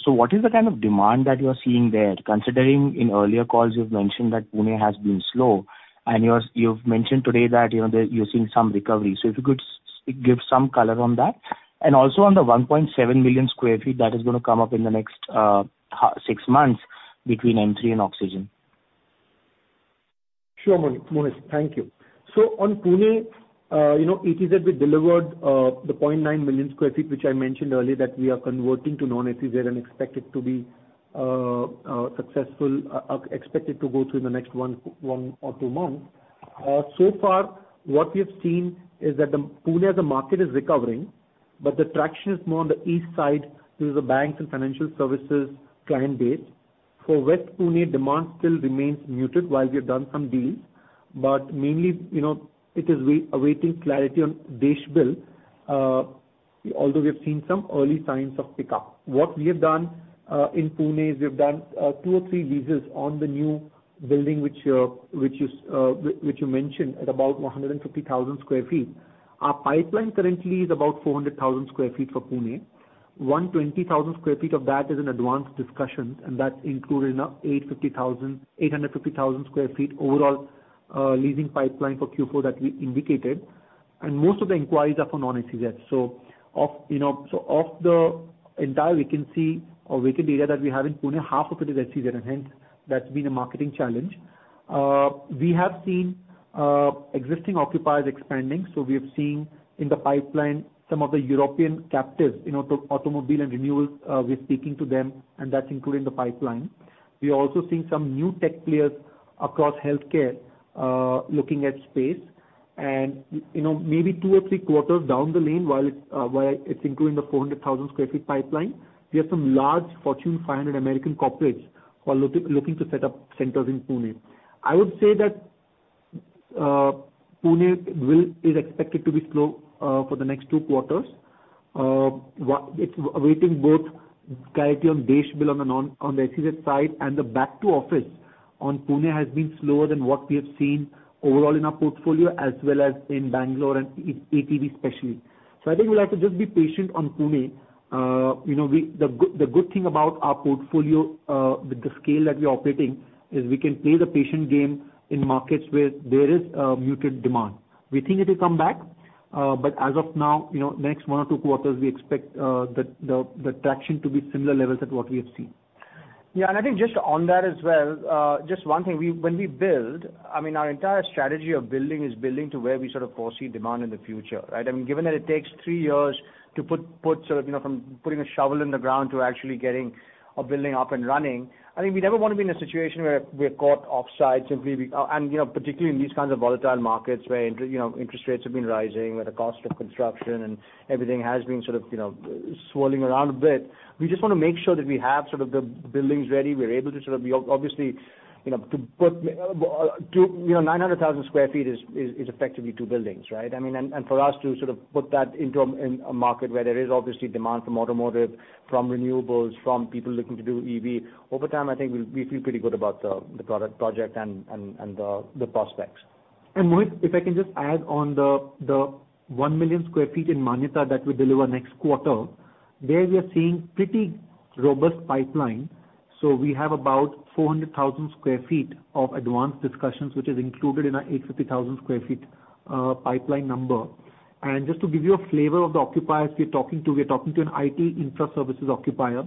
What is the kind of demand that you are seeing there? Considering in earlier calls you've mentioned that Pune has been slow, and you've mentioned today that, you know, you're seeing some recovery. If you could give some color on that. Also on the 1.7 million sq ft that is going to come up in the next six months between N3 and Oxygen. Sure, Mohit. Thank you. On Pune, you know, ETZ, we delivered 0.9 million sq ft, which I mentioned earlier, that we are converting to non-SEZ and expect it to be successful, expect it to go through in the next one or two months. So far, what we have seen is that Pune as a market is recovering, but the traction is more on the east side. These are banks and financial services client base. For West Pune, demand still remains muted while we have done some deals, but mainly, you know, it is awaiting clarity on DESH Bill, although we have seen some early signs of pickup. What we have done in Pune is we've done two or three leases on the new building which you mentioned at about 150,000 sq ft. Our pipeline currently is about 400,000 sq ft for Pune. 120,000 sq ft of that is in advanced discussions, and that's included in our 850,000 sq ft overall leasing pipeline for Q4 that we indicated. Most of the inquiries are for non-SEZ. Of, you know, of the entire vacancy or vacant area that we have in Pune, half of it is SEZ, and hence that's been a marketing challenge. We have seen existing occupiers expanding. We have seen in the pipeline some of the European captives in auto-automobile and renewables, we're speaking to them, and that's included in the pipeline. We are also seeing some new tech players across healthcare, looking at space. You know, maybe two or three quarters down the lane, while it's, while it's including the 400,000 sq ft pipeline, we have some large Fortune 500 American corporates who are looking to set up centers in Pune. I would say that, Pune is expected to be slow, for the next two quarters. It's awaiting both clarity on DESH Bill on the SEZ side, and the back to office on Pune has been slower than what we have seen overall in our portfolio as well as in Bengaluru and ETV especially. I think we'll have to just be patient on Pune. You know, the good thing about our portfolio, with the scale that we're operating, is we can play the patient game in markets where there is muted demand. We think it'll come back, but as of now, you know, next one or two quarters, we expect the traction to be similar levels at what we have seen. Yeah, I think just on that as well, just one thing. When we build, I mean, our entire strategy of building is building to where we sort of foresee demand in the future, right? I mean, given that it takes three years to put sort of, you know, from putting a shovel in the ground to actually getting a building up and running. I think we never wanna be in a situation where we're caught offside simply. You know, particularly in these kinds of volatile markets where, you know, interest rates have been rising, where the cost of construction and everything has been sort of, you know, swirling around a bit. We just wanna make sure that we have sort of the buildings ready. We're able to sort of be obviously, you know, to put two. You know, 900,000 sq ft is effectively two buildings, right? I mean, for us to sort of put that into a, in a market where there is obviously demand from automotive, from renewables, from people looking to do EV. Over time, I think we feel pretty good about the product project and the prospects. Mohit, if I can just add on the 1 million sq ft in Manyata that we deliver next quarter. There we are seeing pretty robust pipeline. We have about 400,000 sq ft of advanced discussions, which is included in our 850,000 sq ft pipeline number. Just to give you a flavor of the occupiers we're talking to, we're talking to an IT infra services occupier.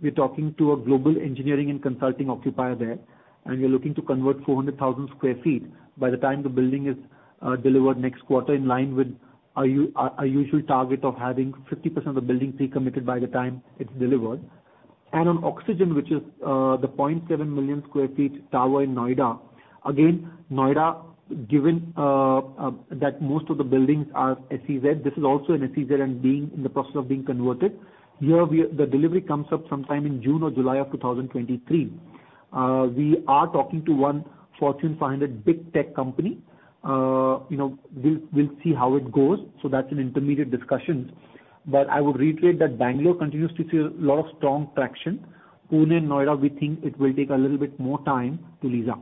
We're talking to a global engineering and consulting occupier there. We're looking to convert 400,000 sq ft by the time the building is delivered next quarter, in line with our usual target of having 50% of the building pre-committed by the time it's delivered. On Oxygen, which is the 0.7 million sq ft tower in Noida. Noida, given that most of the buildings are SEZ, this is also an SEZ and in the process of being converted. Here The delivery comes up sometime in June or July of 2023. we are talking to one Fortune 500 big tech company. you know, we'll see how it goes. That's in intermediate discussions. I would reiterate that Bengaluru continues to see a lot of strong traction. Pune, Noida, we think it will take a little bit more time to lease up.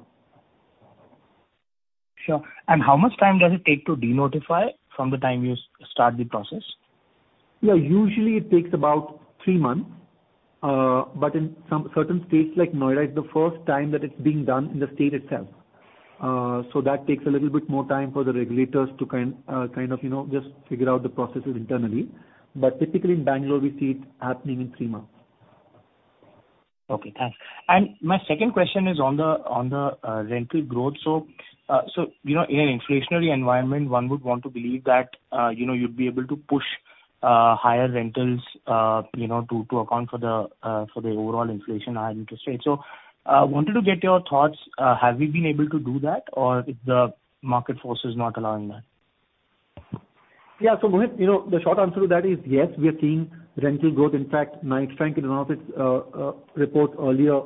Sure. How much time does it take to denotify from the time you start the process? Usually it takes about three months. In some certain states like Noida, it's the first time that it's being done in the state itself. That takes a little bit more time for the regulators to kind of, you know, just figure out the processes internally. Typically in Bangalore, we see it happening in three months. Okay, thanks. My second question is on the rental growth. You know, in an inflationary environment, one would want to believe that, you know, you'd be able to push higher rentals, you know, to account for the overall inflation and interest rates. Wanted to get your thoughts. Have we been able to do that or if the market force is not allowing that? Yeah. Mohit, you know, the short answer to that is yes, we are seeing rental growth. In fact, Knight Frank in one of its reports earlier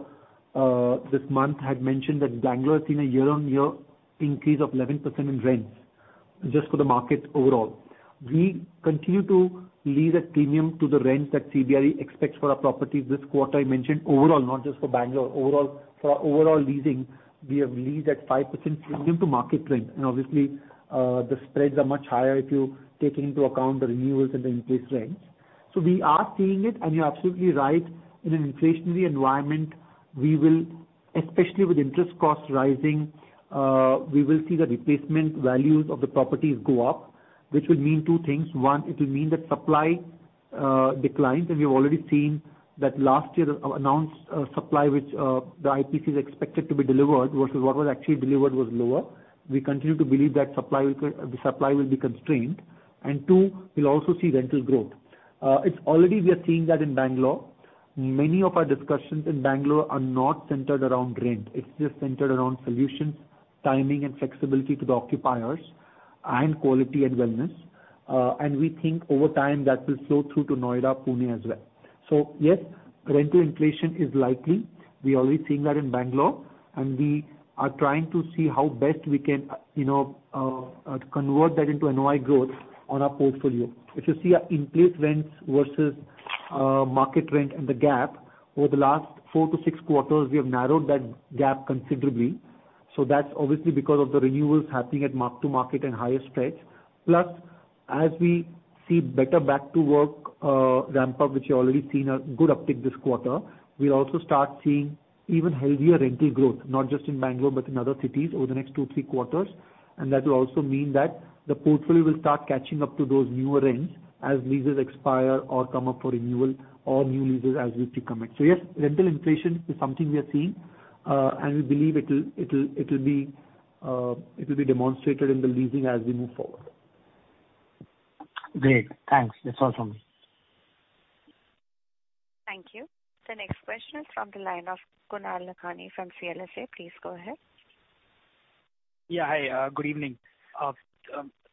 this month had mentioned that Bengaluru has seen a year-on-year increase of 11% in rents just for the market overall. We continue to lease at premium to the rent that CBRE expects for our properties this quarter. I mentioned overall, not just for Bengaluru. Overall, for our overall leasing, we have leased at 5% premium to market rent. Obviously, the spreads are much higher if you take into account the renewals and the in-place rents. We are seeing it. You're absolutely right. In an inflationary environment, especially with interest costs rising, we will see the replacement values of the properties go up, which would mean two things. One, it will mean that supply declines, and we've already seen that last year's announced supply which the IPC is expected to be delivered versus what was actually delivered was lower. We continue to believe that the supply will be constrained. Two, we'll also see rental growth. It's already we are seeing that in Bangalore. Many of our discussions in Bangalore are not centered around rent. It's just centered around solutions, timing and flexibility to the occupiers and quality and wellness. We think over time that will flow through to Noida, Pune as well. Yes, rental inflation is likely. We're already seeing that in Bangalore, and we are trying to see how best we can, you know, convert that into NOI growth on our portfolio. If you see our in-place rents versus market rent and the gap. Over the last four to six quarters, we have narrowed that gap considerably. That's obviously because of the renewals happening at mark-to-market and higher spreads. As we see better back to work ramp up, which you've already seen a good uptick this quarter, we'll also start seeing even healthier rental growth, not just in Bengaluru, but in other cities over the next two, three quarters. That will also mean that the portfolio will start catching up to those newer rents as leases expire or come up for renewal or new leases as we pre-commit. Yes, rental inflation is something we are seeing, and we believe it'll be demonstrated in the leasing as we move forward. Great. Thanks. That's all from me. Thank you. The next question is from the line of Kunal Lakhani from CLSA. Please go ahead. Hi. Good evening.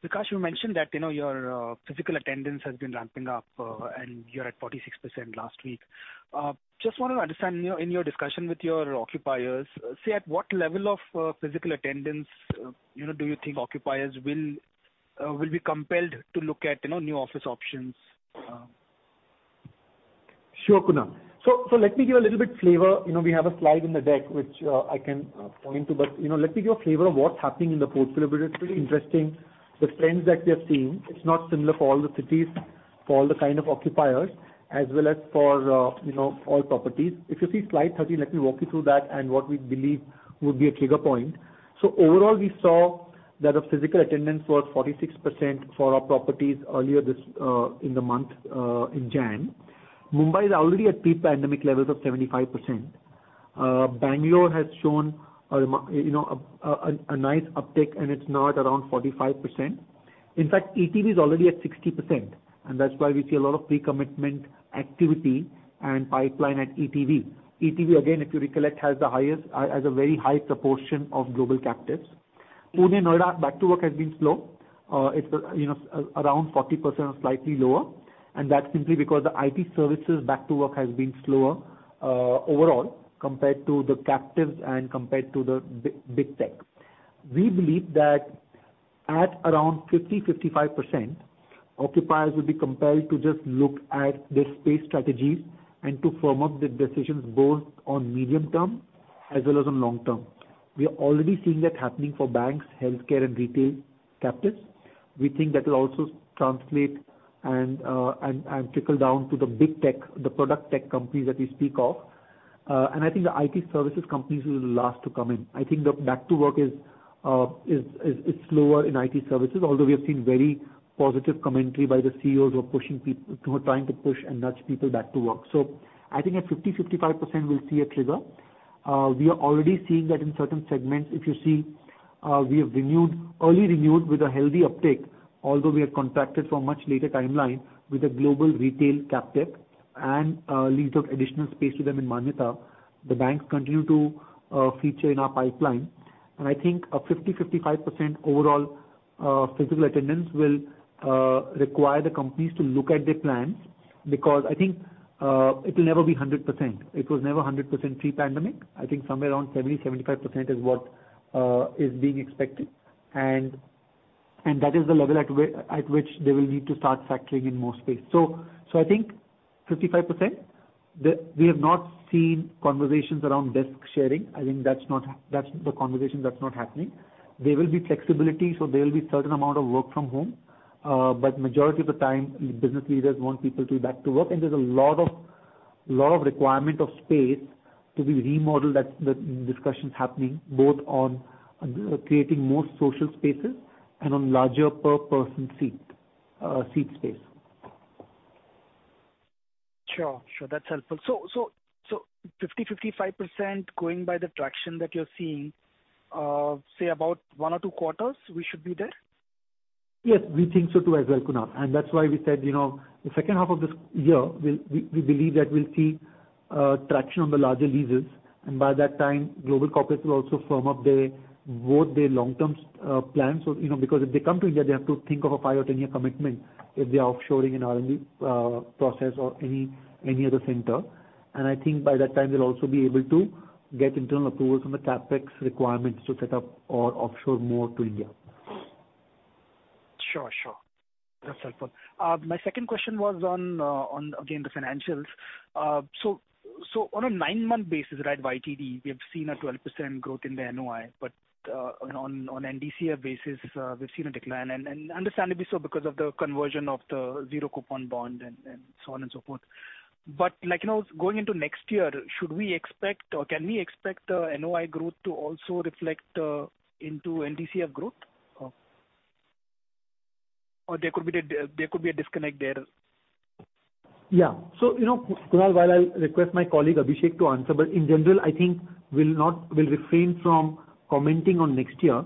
Vikaash, you mentioned that, you know, your physical attendance has been ramping up, and you're at 46% last week. Just want to understand, you know, in your discussion with your occupiers, say at what level of physical attendance, you know, do you think occupiers will be compelled to look at, you know, new office options? Sure, Kunal. Let me give a little bit flavor. You know, we have a slide in the deck which I can point to. You know, let me give you a flavor of what's happening in the portfolio because it's pretty interesting the trends that we are seeing. It's not similar for all the cities, for all the kind of occupiers as well as for, you know, all properties. If you see slide 13, let me walk you through that and what we believe would be a trigger point. Overall, we saw that the physical attendance was 46% for our properties earlier this in the month in January. Mumbai is already at pre-pandemic levels of 75%. Bengaluru has shown a, you know, a nice uptick, and it's now at around 45%. In fact, ETV is already at 60%, and that's why we see a lot of pre-commitment activity and pipeline at ETV. ETV, again, if you recollect, has a very high proportion of global captives. Pune and Noida back to work has been slow. It's, you know, around 40% or slightly lower, and that's simply because the IT services back to work has been slower, overall compared to the captives and compared to the big tech. We believe that at around 50-55%, occupiers will be compelled to just look at their space strategies and to firm up their decisions both on medium term as well as on long term. We are already seeing that happening for banks, healthcare, and retail captives. We think that will also translate and trickle down to the big tech, the product tech companies that we speak of. I think the IT services companies will be the last to come in. I think the back to work is slower in IT services, although we have seen very positive commentary by the CEOs who are trying to push and nudge people back to work. I think at 50%, 55% we'll see a trigger. We are already seeing that in certain segments. If you see, we have renewed, early renewed with a healthy uptick, although we have contracted for much later timeline with a global retail captive and leased out additional space to them in Manyata. The banks continue to feature in our pipeline. I think a 50%-55% overall physical attendance will require the companies to look at their plans because I think it will never be 100%. It was never 100% pre-pandemic. I think somewhere around 70%-75% is what is being expected. That is the level at which they will need to start factoring in more space. I think 55%. We have not seen conversations around desk sharing. I think that's the conversation that's not happening. There will be flexibility, so there will be certain amount of work from home. Majority of the time business leaders want people to be back to work. There's a lot of requirement of space to be remodeled. That's the discussions happening, both on, creating more social spaces and on larger per person seat space. Sure. Sure. That's helpful. 50%-55% going by the traction that you're seeing, say about one or two quarters we should be there? Yes, we think so too as well, Kunal. That's why we said, you know, the second half of this year we believe that we'll see traction on the larger leases. By that time, global corporates will also firm up their, both their long-term plans. You know, because if they come to India, they have to think of a five or 10-year commitment if they are offshoring an R&D process or any other center. I think by that time they'll also be able to get internal approvals on the CapEx requirements to set up or offshore more to India. Sure. Sure. That's helpful. My second question was on again the financials. So on a nine-month basis, right, YTD, we have seen a 12% growth in the NOI, but on NDCF basis, we've seen a decline. Understandably so because of the conversion of the Zero-Coupon Bonds and so on and so forth. Like, you know, going into next year, should we expect or can we expect the NOI growth to also reflect into NDCF growth? There could be a disconnect there. Yeah. You know, Kunal, while I request my colleague Abhishek to answer, in general, I think we'll refrain from commenting on next year.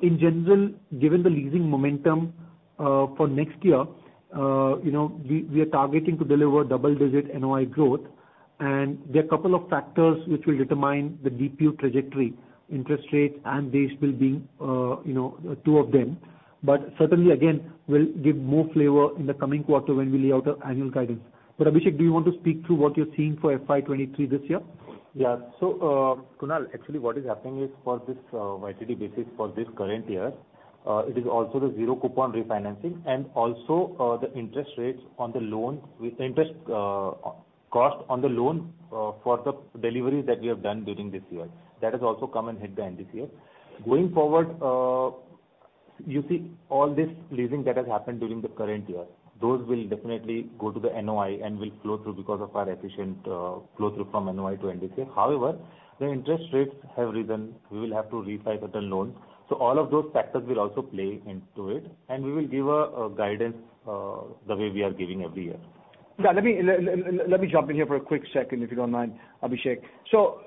In general, given the leasing momentum, for next year, you know, we are targeting to deliver double-digit NOI growth. There are a couple of factors which will determine the DPU trajectory, interest rates and base will be, you know, two of them. Certainly, again, we'll give more flavor in the coming quarter when we lay out our annual guidance. Abhishek, do you want to speak to what you're seeing for FY23 this year? Kunal, actually what is happening is for this YTD basis for this current year, it is also the zero coupon refinancing and also the interest rates on the loan with interest cost on the loan for the deliveries that we have done during this year. That has also come and hit the NDCF. Going forward, all this leasing that has happened during the current year, those will definitely go to the NOI and will flow through because of our efficient flow through from NOI to NDCF. However, the interest rates have risen. We will have to refi certain loans. All of those factors will also play into it. We will give a guidance the way we are giving every year. Yeah, let me jump in here for a quick second, if you don't mind, Abhishek Agarwal.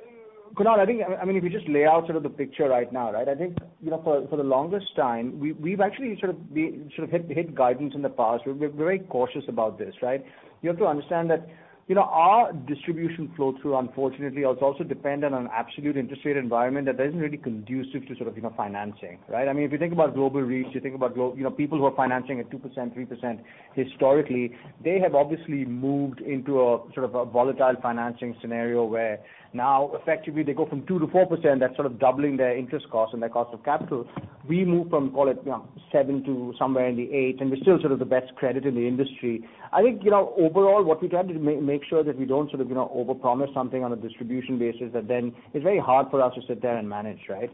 Kunal Lakhani, I think, I mean, if you just lay out sort of the picture right now, right? I think, you know, for the longest time, we've actually sort of hit guidance in the past. We're very cautious about this, right? You have to understand that, you know, our distribution flow through unfortunately is also dependent on absolute interest rate environment that isn't really conducive to sort of, you know, financing, right? I mean, if you think about global REITs, you think about, you know, people who are financing at 2%, 3% historically, they have obviously moved into a sort of a volatile financing scenario where now effectively they go from 2%-4%. That's sort of doubling their interest costs and their cost of capital. We move from, call it, you know, seven to somewhere in the eight, and we're still sort of the best credit in the industry. I think, you know, overall, what we try to make sure that we don't sort of, you know, overpromise something on a distribution basis that then it's very hard for us to sit there and manage, right?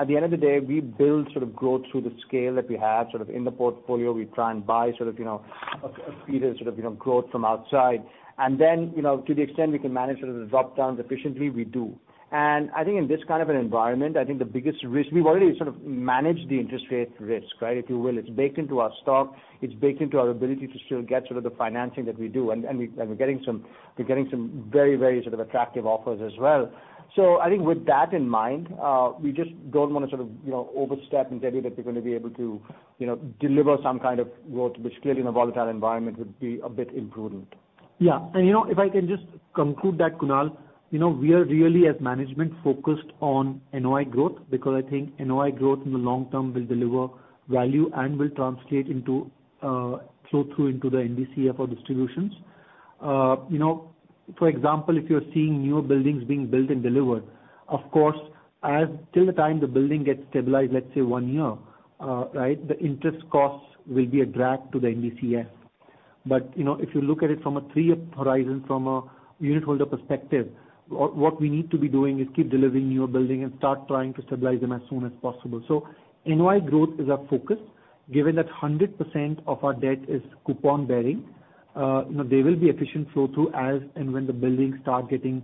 At the end of the day, we build sort of growth through the scale that we have sort of in the portfolio. We try and buy sort of, you know, a speed of sort of, you know, growth from outside. You know, to the extent we can manage sort of the drop downs efficiently, we do. I think in this kind of an environment, I think the biggest risk, we've already sort of managed the interest rate risk, right? If you will, it's baked into our stock. It's baked into our ability to still get sort of the financing that we do. We're getting some very, very sort of attractive offers as well. I think with that in mind, we just don't wanna sort of, you know, overstep and tell you that we're gonna be able to, you know, deliver some kind of growth, which clearly in a volatile environment would be a bit imprudent. Yeah. You know, if I can just conclude that, Kunal, you know, we are really as management focused on NOI growth because I think NOI growth in the long term will deliver value and will translate into flow through into the NDCF or distributions. You know, for example, if you're seeing new buildings being built and delivered, of course, as till the time the building gets stabilized, let's say one year, right, the interest costs will be a drag to the NDCF. You know, if you look at it from a three-year horizon from a unit holder perspective, what we need to be doing is keep delivering new building and start trying to stabilize them as soon as possible. NOI growth is our focus. Given that 100% of our debt is coupon-bearing, you know, there will be efficient flow through as and when the buildings start getting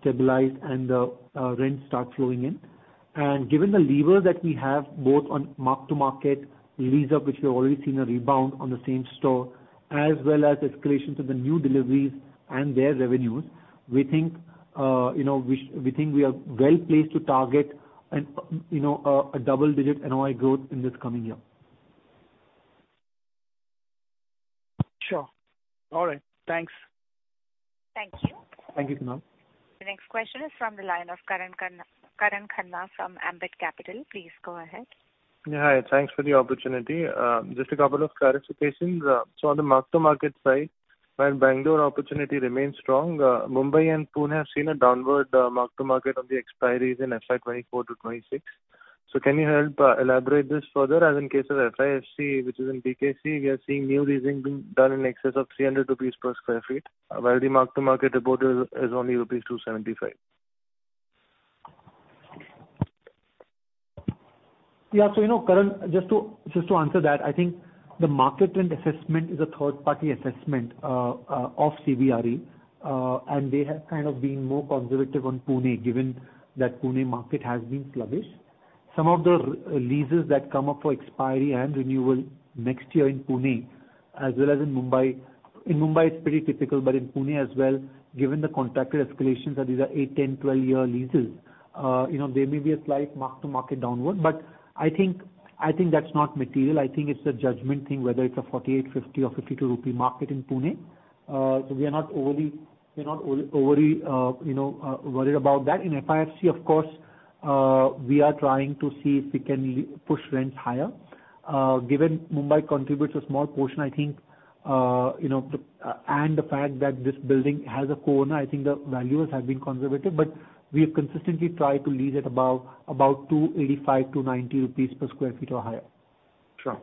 stabilized and the rents start flowing in. Given the lever that we have both on mark-to-market lease up, which we've already seen a rebound on the same-store, as well as escalation to the new deliveries and their revenues, we think, you know, we think we are well-placed to target an, you know, a double-digit NOI growth in this coming year. Sure. All right. Thanks. Thank you. Thank you, Kunal. The next question is from the line of Karan Khanna from Ambit Capital. Please go ahead. Thanks for the opportunity. Just a couple of clarifications. On the mark-to-market side, while Bengaluru opportunity remains strong, Mumbai and Pune have seen a downward mark-to-market on the expiries in FY 24-26. Can you help elaborate this further, as in case of FIFC, which is in Bandra-Kurla Complex, we are seeing new leasing being done in excess of 300 rupees per sq ft, while the mark-to-market reported is only rupees 275. You know, Karan, just to answer that, I think the market rent assessment is a third-party assessment of CBRE, and they have kind of been more conservative on Pune, given that Pune market has been sluggish. Some of the leases that come up for expiry and renewal next year in Pune as well as in Mumbai. In Mumbai, it's pretty typical, but in Pune as well, given the contracted escalations that these are 8, 10, 12 year leases, you know, there may be a slight mark-to-market downward, but I think that's not material. I think it's a judgment thing, whether it's a 48, 50 or 52 rupee market in Pune. We're not overly, you know, worried about that. In FIFC of course, we are trying to see if we can push rents higher. Given Mumbai contributes a small portion I think, you know, and the fact that this building has a co-owner, I think the valuers have been conservative, but we have consistently tried to lease at about 285-90 rupees per sq ft or higher. Sure.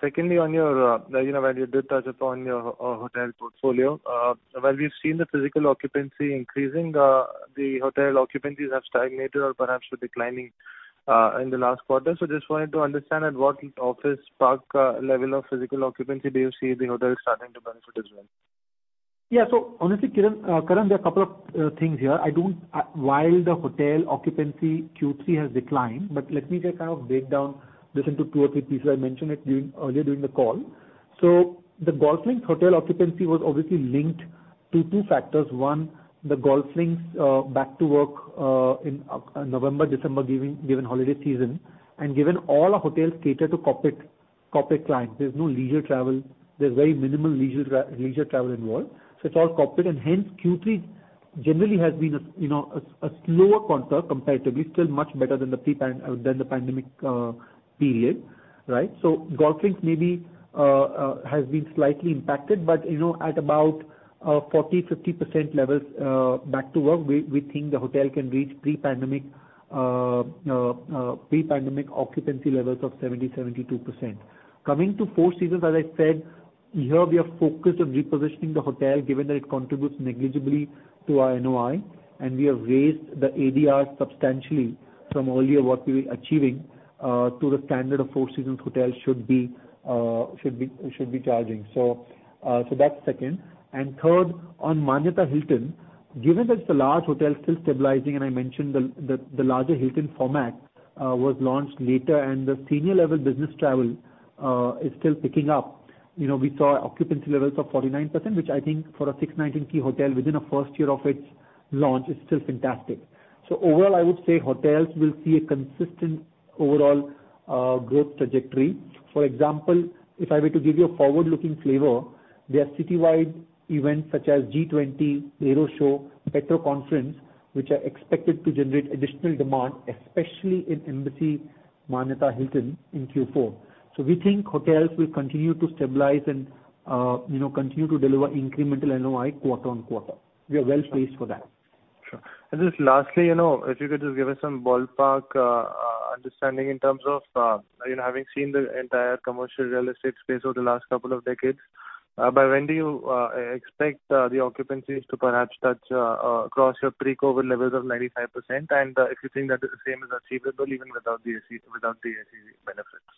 Secondly, on your, you know, when you did touch upon your hotel portfolio, while we've seen the physical occupancy increasing, the hotel occupancies have stagnated or perhaps were declining in the last quarter. Just wanted to understand at what office park level of physical occupancy do you see the hotel starting to benefit as well? Honestly, Kiran, Karan, there are a couple of things here. While the hotel occupancy Q3 has declined, let me just kind of break down this into two or three pieces. I mentioned it earlier during the call. The GolfLinks hotel occupancy was obviously linked to two factors. One, the GolfLinks back to work in November, December given holiday season, and given all our hotels cater to corporate clients, there's no leisure travel. There's very minimal leisure travel involved. It's all corporate and hence Q3 generally has been a, you know, a slower quarter comparatively, still much better than the pandemic period, right? GolfLinks maybe has been slightly impacted, but, you know, at about 40, 50% levels back to work, we think the hotel can reach pre-pandemic occupancy levels of 70, 72%. Coming to Four Seasons, as I said, here we are focused on repositioning the hotel, given that it contributes negligibly to our NOI, and we have raised the ADR substantially from earlier what we were achieving to the standard a Four Seasons hotel should be charging. That's second. Third, on Manyata Hilton, given that it's a large hotel still stabilizing, and I mentioned the larger Hilton format was launched later and the senior level business travel is still picking up. You know, we saw occupancy levels of 49%, which I think for a 619 key hotel within the first year of its launch is still fantastic. Overall, I would say hotels will see a consistent overall growth trajectory. For example, if I were to give you a forward-looking flavor, there are citywide events such as G20, Aero Show, Petro Conference, which are expected to generate additional demand, especially in Embassy Manyata Hilton in Q4. We think hotels will continue to stabilize and, you know, continue to deliver incremental NOI quarter-on-quarter. We are well placed for that. Sure. Just lastly, you know, if you could just give us some ballpark understanding in terms of, you know, having seen the entire commercial real estate space over the last couple of decades, by when do you expect the occupancies to perhaps touch across your pre-COVID levels of 95%, and if you think that the same is achievable even without the SEZ benefits?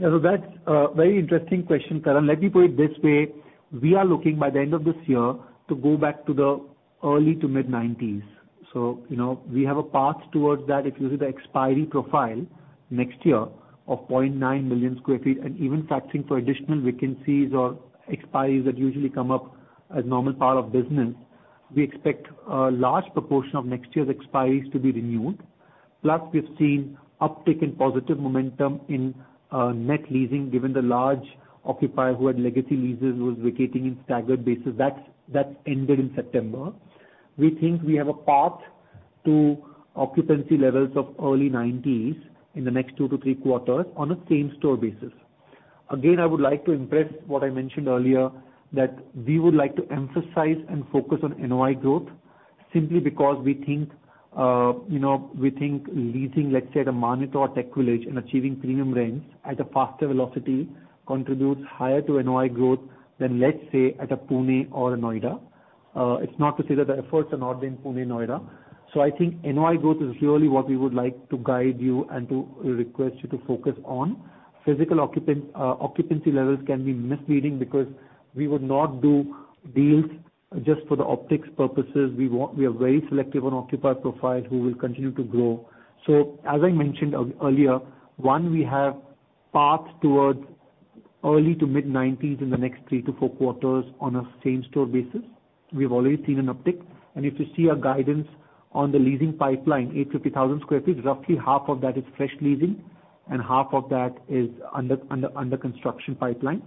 That's a very interesting question, Karan. Let me put it this way. We are looking by the end of this year to go back to the early to mid-90s. You know, we have a path towards that. If you see the expiry profile next year of 0.9 million sq ft, and even factoring for additional vacancies or expiries that usually come up as normal part of business, we expect a large proportion of next year's expiries to be renewed. Plus we've seen uptick in positive momentum in net leasing given the large occupier who had legacy leases was vacating in staggered basis. That's ended in September. We think we have a path to occupancy levels of early 90s in the next two to three quarters on a same-store basis. I would like to impress what I mentioned earlier, that we would like to emphasize and focus on NOI growth simply because we think, you know, we think leasing, let's say, at an Embassy TechVillage and achieving premium rents at a faster velocity contributes higher to NOI growth than, let's say, at a Pune or Noida. It's not to say that the efforts are not in Pune, Noida. I think NOI growth is really what we would like to guide you and to request you to focus on. Physical occupancy levels can be misleading because we would not do deals just for the optics purposes. We are very selective on occupier profile, who we'll continue to grow. As I mentioned earlier, one, we have paths towards early to mid-90s in the next three to four quarters on a same-store basis. We've already seen an uptick. If you see our guidance on the leasing pipeline, 850,000 sq ft, roughly half of that is fresh leasing and half of that is under construction pipeline.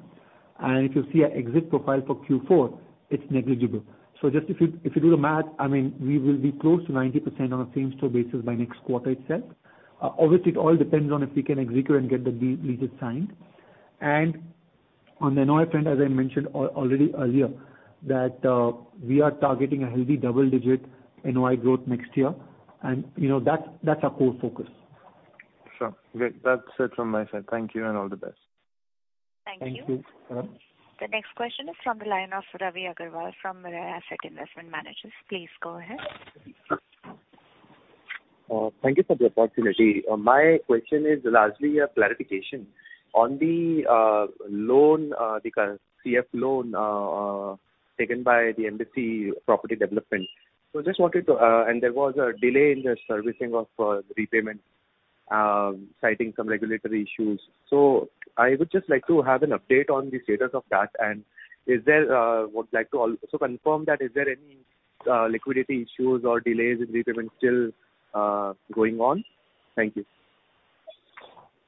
If you see our exit profile for Q4, it's negligible. Just if you, if you do the math, I mean, we will be close to 90% on a same-store basis by next quarter itself. Obviously, it all depends on if we can execute and get the leases signed. On the NOI front, as I mentioned already earlier, that we are targeting a healthy double-digit NOI growth next year. You know, that's our core focus. Sure. Great. That's it from my side. Thank you and all the best. Thank you. Thank you. The next question is from the line of Ravi Agarwal from Mirae Asset Investment Managers. Please go ahead. Thank you for the opportunity. My question is largely a clarification on the loan, the CF loan, taken by Embassy Property Developments. There was a delay in the servicing of the repayment, citing some regulatory issues. I would just like to have an update on the status of that. Is there, would like to also confirm that is there any liquidity issues or delays in repayment still going on? Thank you.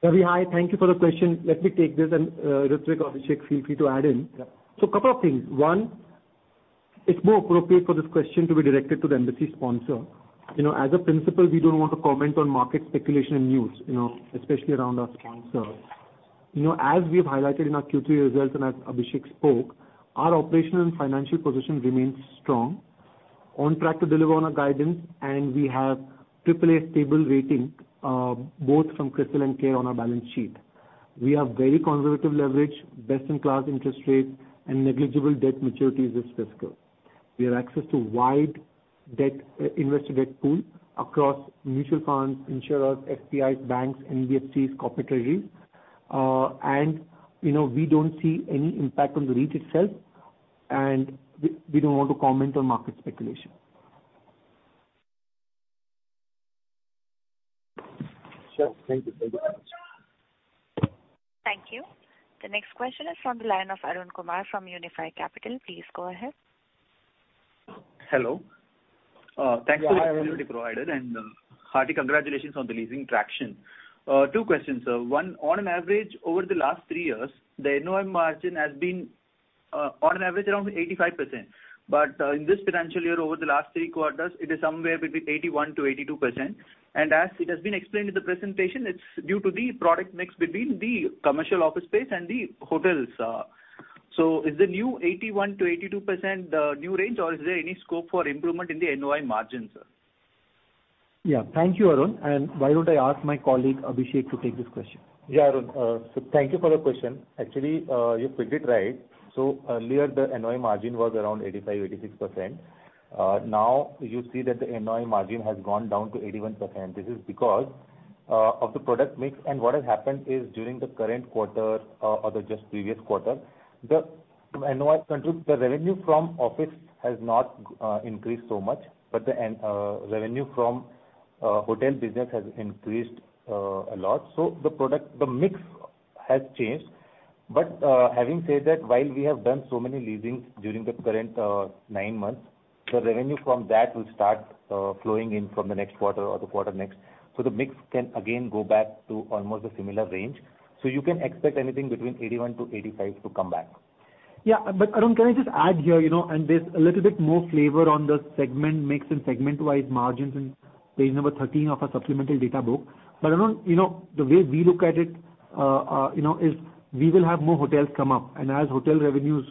Ravi, hi. Thank you for the question. Let me take this and Ritwik or Abhishek, feel free to add in. Yeah. Couple of things. One, it's more appropriate for this question to be directed to the Embassy sponsor. You know, as a principle, we don't want to comment on market speculation and news, you know, especially around our sponsors. You know, as we have highlighted in our Q3 results, and as Abhishek spoke, our operational and financial position remains strong, on track to deliver on our guidance, and we have triple A stable rating, both from CRISIL and CARE on our balance sheet. We have very conservative leverage, best-in-class interest rates, and negligible debt maturities this fiscal. We have access to wide debt, investor debt pool across mutual funds, insurers, FPIs, banks, NBFCs, corporate treasuries. You know, we don't see any impact on the REIT itself, and we don't want to comment on market speculation. Sure. Thank you. Thank you very much. Thank you. The next question is from the line of Arun Kumar from Unifi Capital. Please go ahead. Hello. Thanks for the opportunity provided. Yeah, Arun. Hearty congratulations on the leasing traction. Two questions. One, on an average over the last three years, the NOI margin has been on an average around 85%. In this financial year, over the last three quarters, it is somewhere between 81%-82%. As it has been explained in the presentation, it's due to the product mix between the commercial office space and the hotels. Is the new 81%-82% new range or is there any scope for improvement in the NOI margin, sir? Yeah. Thank you, Arun. Why don't I ask my colleague, Abhishek, to take this question? Yeah, Arun. Thank you for the question. Actually, you've put it right. Earlier, the NOI margin was around 85%-86%. Now you see that the NOI margin has gone down to 81%. This is because of the product mix. What has happened is during the current quarter, or the just previous quarter, the revenue from office has not increased so much, but the end revenue from hotel business has increased a lot. The product, the mix has changed. Having said that, while we have done so many leasings during the current nine months, the revenue from that will start flowing in from the next quarter or the quarter next. The mix can again go back to almost a similar range. You can expect anything between 81 to 85 to come back. Yeah. Arun, can I just add here, you know, there's a little bit more flavor on the segment mix and segment-wise margins in page number 13 of our supplemental data book. Arun, you know, the way we look at it, you know, is we will have more hotels come up. As hotel revenues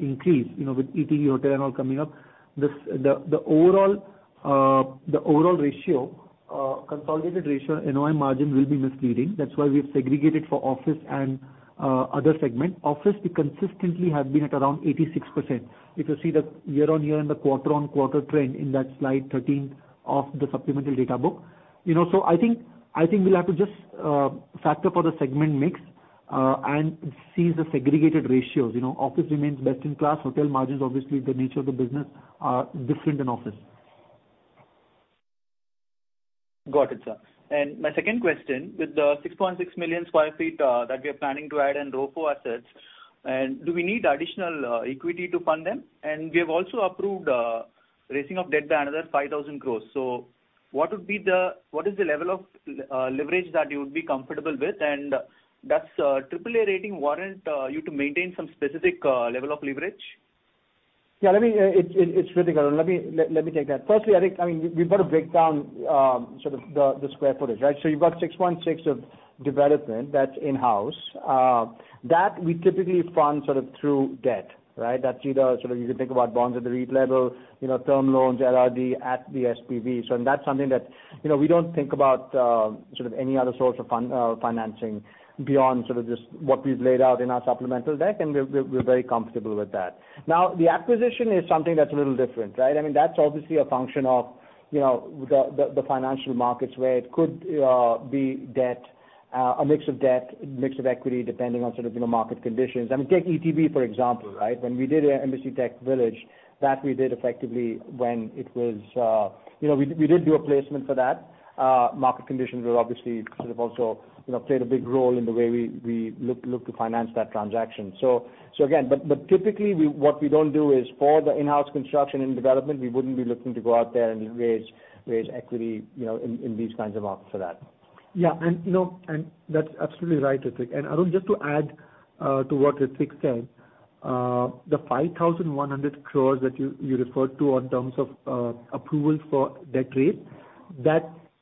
increase, you know, with ETV Hotel and all coming up, the overall ratio consolidated ratio NOI margin will be misleading. That's why we've segregated for office and other segment. Office we consistently have been at around 86%. If you see the year-on-year and the quarter-on-quarter trend in that slide 13 of the supplemental data book. I think we'll have to just factor for the segment mix and see the segregated ratios. You know, office remains best-in-class. Hotel margins, obviously the nature of the business are different than office. Got it, sir. My second question, with the 6.6 million sq ft that we are planning to add in ROFO assets, do we need additional equity to fund them? We have also approved raising of debt by another 5,000 crores. What is the level of leverage that you would be comfortable with? Does AAA rating warrant you to maintain some specific level of leverage? Yeah, let me, it's Ritwik. Let me take that. Firstly, I think, I mean, we've got to break down the square footage, right? You've got 6.6 of development that's in-house. That we typically fund sort of through debt, right? That's either sort of you can think about bonds at the REIT level, you know, term loans, LRD at the SPV. That's something that, you know, we don't think about sort of any other source of financing beyond sort of just what we've laid out in our supplemental deck. We're very comfortable with that. Now, the acquisition is something that's a little different, right? I mean, that's obviously a function of, you know, the financial markets where it could be debt, a mix of debt, mix of equity, depending on sort of, you know, market conditions. I mean, take ETV, for example, right? When we did Embassy TechVillage, that we did effectively when it was. You know, we did do a placement for that. Market conditions were obviously, sort of also, you know, played a big role in the way we look to finance that transaction. Again, but typically, what we don't do is for the in-house construction and development, we wouldn't be looking to go out there and raise equity, you know, in these kinds of markets for that. Yeah. You know, that's absolutely right, Ritwik. Arun, just to add to what Ritwik said, the 5,100 crores that you referred to in terms of approval for debt raise,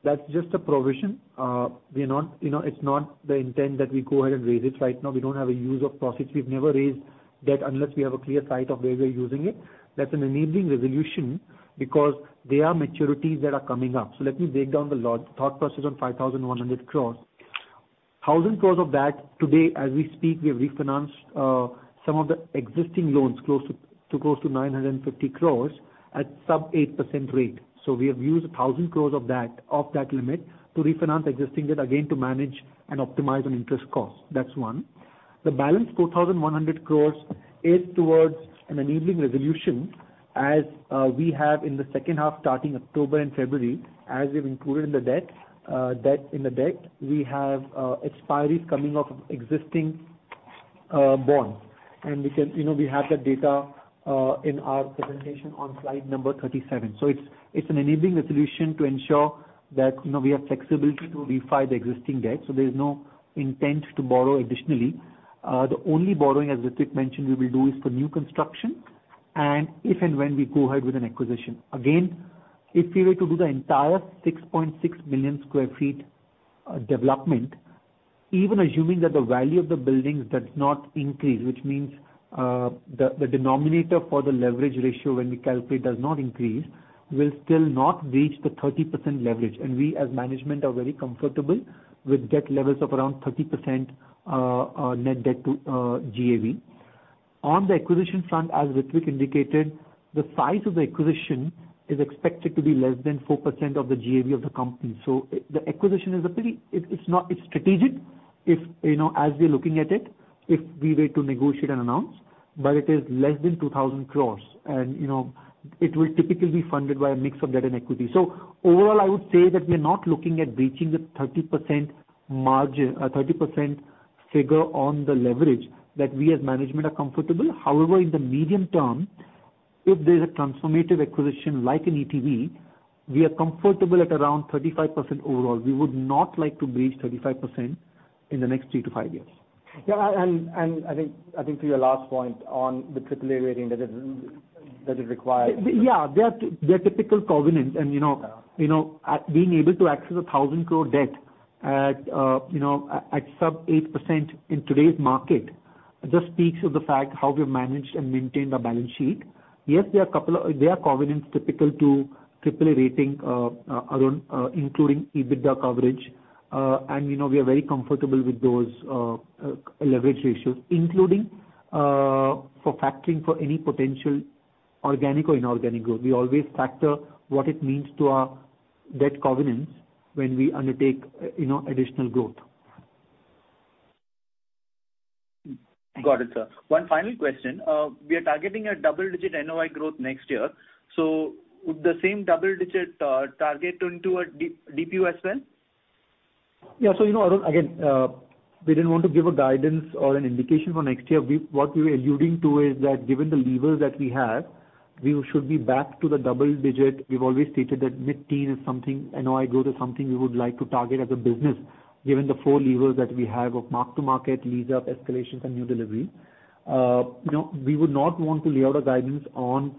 that's just a provision. We are not, you know, it's not the intent that we go ahead and raise it right now. We don't have a use of proceeds. We've never raised debt unless we have a clear sight of where we're using it. That's an enabling resolution because there are maturities that are coming up. Let me break down the law, thought process on 5,100 crores. 1,000 crores of that today as we speak, we have refinanced some of the existing loans close to 950 crores at sub 8% rate. We have used 1,000 crores of that limit to refinance existing debt, again to manage and optimize on interest costs. That's one. The balance 4,100 crores is towards an enabling resolution as we have in the second half starting October and February, as we've included in the debt, we have expiries coming off of existing bonds. We can, you know, we have that data in our presentation on slide number 37. It's an enabling resolution to ensure that, you know, we have flexibility to refi the existing debt. There's no intent to borrow additionally. The only borrowing, as Ritwik mentioned, we will do is for new construction and if and when we go ahead with an acquisition. If we were to do the entire 6.6 million sq ft development, even assuming that the value of the buildings does not increase, which means the denominator for the leverage ratio when we calculate does not increase, we'll still not reach the 30% leverage. We as management are very comfortable with debt levels of around 30% Net Debt to GAV. On the acquisition front, as Ritwik indicated, the size of the acquisition is expected to be less than 4% of the GAV of the company. The acquisition is a pretty. It's not, it's strategic if, you know, as we're looking at it, if we were to negotiate and announce, but it is less than 2,000 crores and, you know, it will typically be funded by a mix of debt and equity. Overall, I would say that we're not looking at breaching the 30% margin, 30% figure on the leverage that we as management are comfortable. However, in the medium term, if there's a transformative acquisition like an ETV, we are comfortable at around 35% overall. We would not like to breach 35% in the next three to five years. Yeah. I think to your last point on the AAA rating that is required. Yeah. They're typical covenants, you know, being able to access 1,000 crore debt at, you know, at sub 8% in today's market just speaks to the fact how we've managed and maintained our balance sheet. Yes, there are a couple of there are covenants typical to triple A rating around including EBITDA coverage. You know, we are very comfortable with those leverage ratios, including for factoring for any potential organic or inorganic growth. We always factor what it means to our debt covenants when we undertake, you know, additional growth. Got it, sir. One final question. We are targeting a double-digit NOI growth next year. Would the same double digit target turn toward DPU as well? You know, Arun, again, we didn't want to give a guidance or an indication for next year. What we were alluding to is that given the levers that we have, we should be back to the double digit. We've always stated that mid-teen is something, NOI growth is something we would like to target as a business, given the four levers that we have of mark-to-market, lease up, escalations and new delivery. You know, we would not want to lay out a guidance on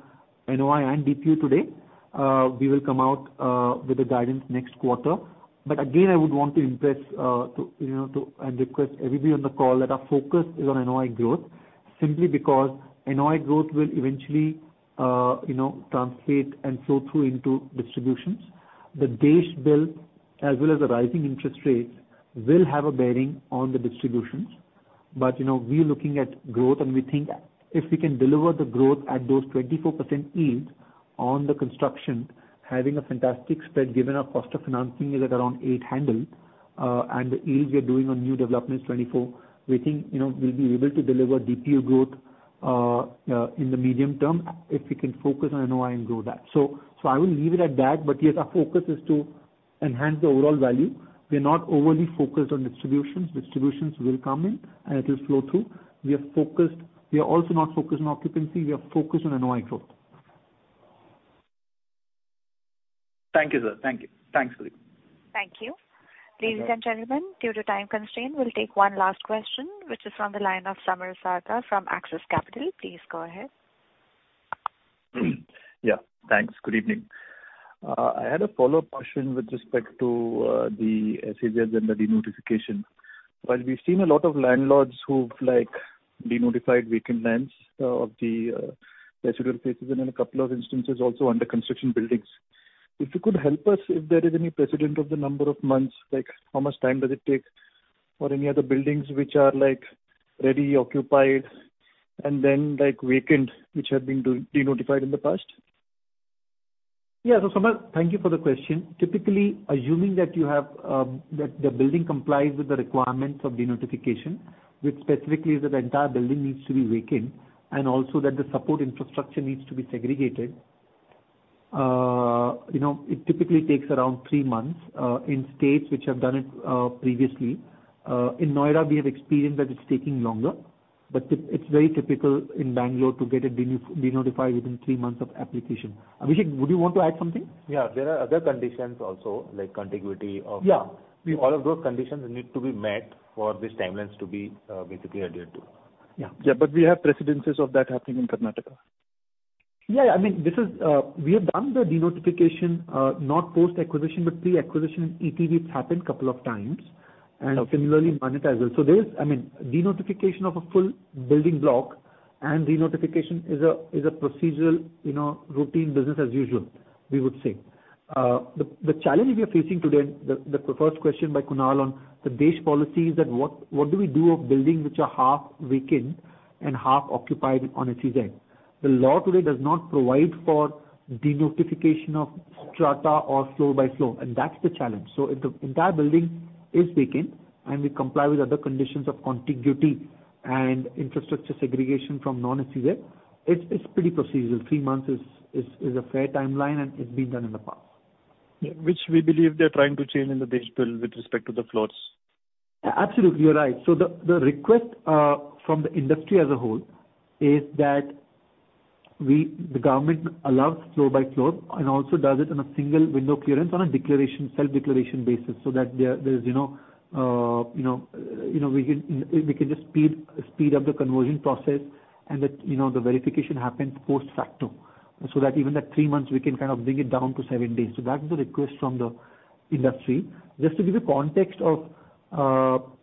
NOI and DPU today. We will come out with a guidance next quarter. Again, I would want to impress to, you know, to, and request everybody on the call that our focus is on NOI growth simply because NOI growth will eventually, you know, translate and flow through into distributions. The base build as well as the rising interest rates will have a bearing on the distributions. You know, we're looking at growth, and we think if we can deliver the growth at those 24% yields on the construction, having a fantastic spread given our cost of financing is at around 8%, and the yields we are doing on new developments, 24%, we think, you know, we'll be able to deliver DPU growth in the medium term if we can focus on NOI and grow that. I will leave it at that. Yes, our focus is to enhance the overall value. We are not overly focused on distributions. Distributions will come in, and it will flow through. We are also not focused on occupancy. We are focused on NOI growth. Thank you, sir. Thank you. Thanks, Arun. Thank you. Ladies and gentlemen, due to time constraint, we'll take one last question, which is on the line of Samar Sarda from Axis Capital. Please go ahead. Yeah, thanks. Good evening. I had a follow-up question with respect to the SEZ and the denotification. While we've seen a lot of landlords who've, like, denotified vacant lands of the residential spaces and in a couple of instances also under construction buildings. If you could help us, if there is any precedent of the number of months, like how much time does it take, or any other buildings which are, like, ready occupied and then, like, vacant, which have been denotified in the past? Samar, thank you for the question. Typically, assuming that you have that the building complies with the requirements of denotification, which specifically is that the entire building needs to be vacant, and also that the support infrastructure needs to be segregated. You know, it typically takes around three months in states which have done it previously. In Noida, we have experienced that it's taking longer. It, it's very typical in Bangalore to get it denotified within three months of application. Abhishek, would you want to add something? Yeah. There are other conditions also, like contiguity of. Yeah. All of those conditions need to be met for these timelines to be basically adhered to. Yeah. Yeah, we have precedences of that happening in Karnataka. Yeah, I mean, this is, we have done the denotification, not post-acquisition, but pre-acquisition in ETV, it's happened couple of times. Okay. Similarly, Manyata as well. I mean, denotification of a full building block and denotification is a procedural, you know, routine business as usual, we would say. The challenge we are facing today, the first question by Kunal on the DESH policy is that what do we do of buildings which are half vacant and half occupied on SEZ? The law today does not provide for denotification of strata or floor by floor, and that's the challenge. If the entire building is vacant and we comply with other conditions of contiguity and infrastructure segregation from non-SEZ, it's pretty procedural. Three months is a fair timeline, and it's been done in the past. Yeah. Which we believe they're trying to change in the DESH bill with respect to the floors. Absolutely, you're right. The request from the industry as a whole is that we, the government allows floor by floor and also does it in a single window clearance on a declaration, self-declaration basis so that there's, you know, we can just speed up the conversion process and that, you know, the verification happens post-facto. That even that three months, we can kind of bring it down to seven days. That's the request from the industry. Just to give you context of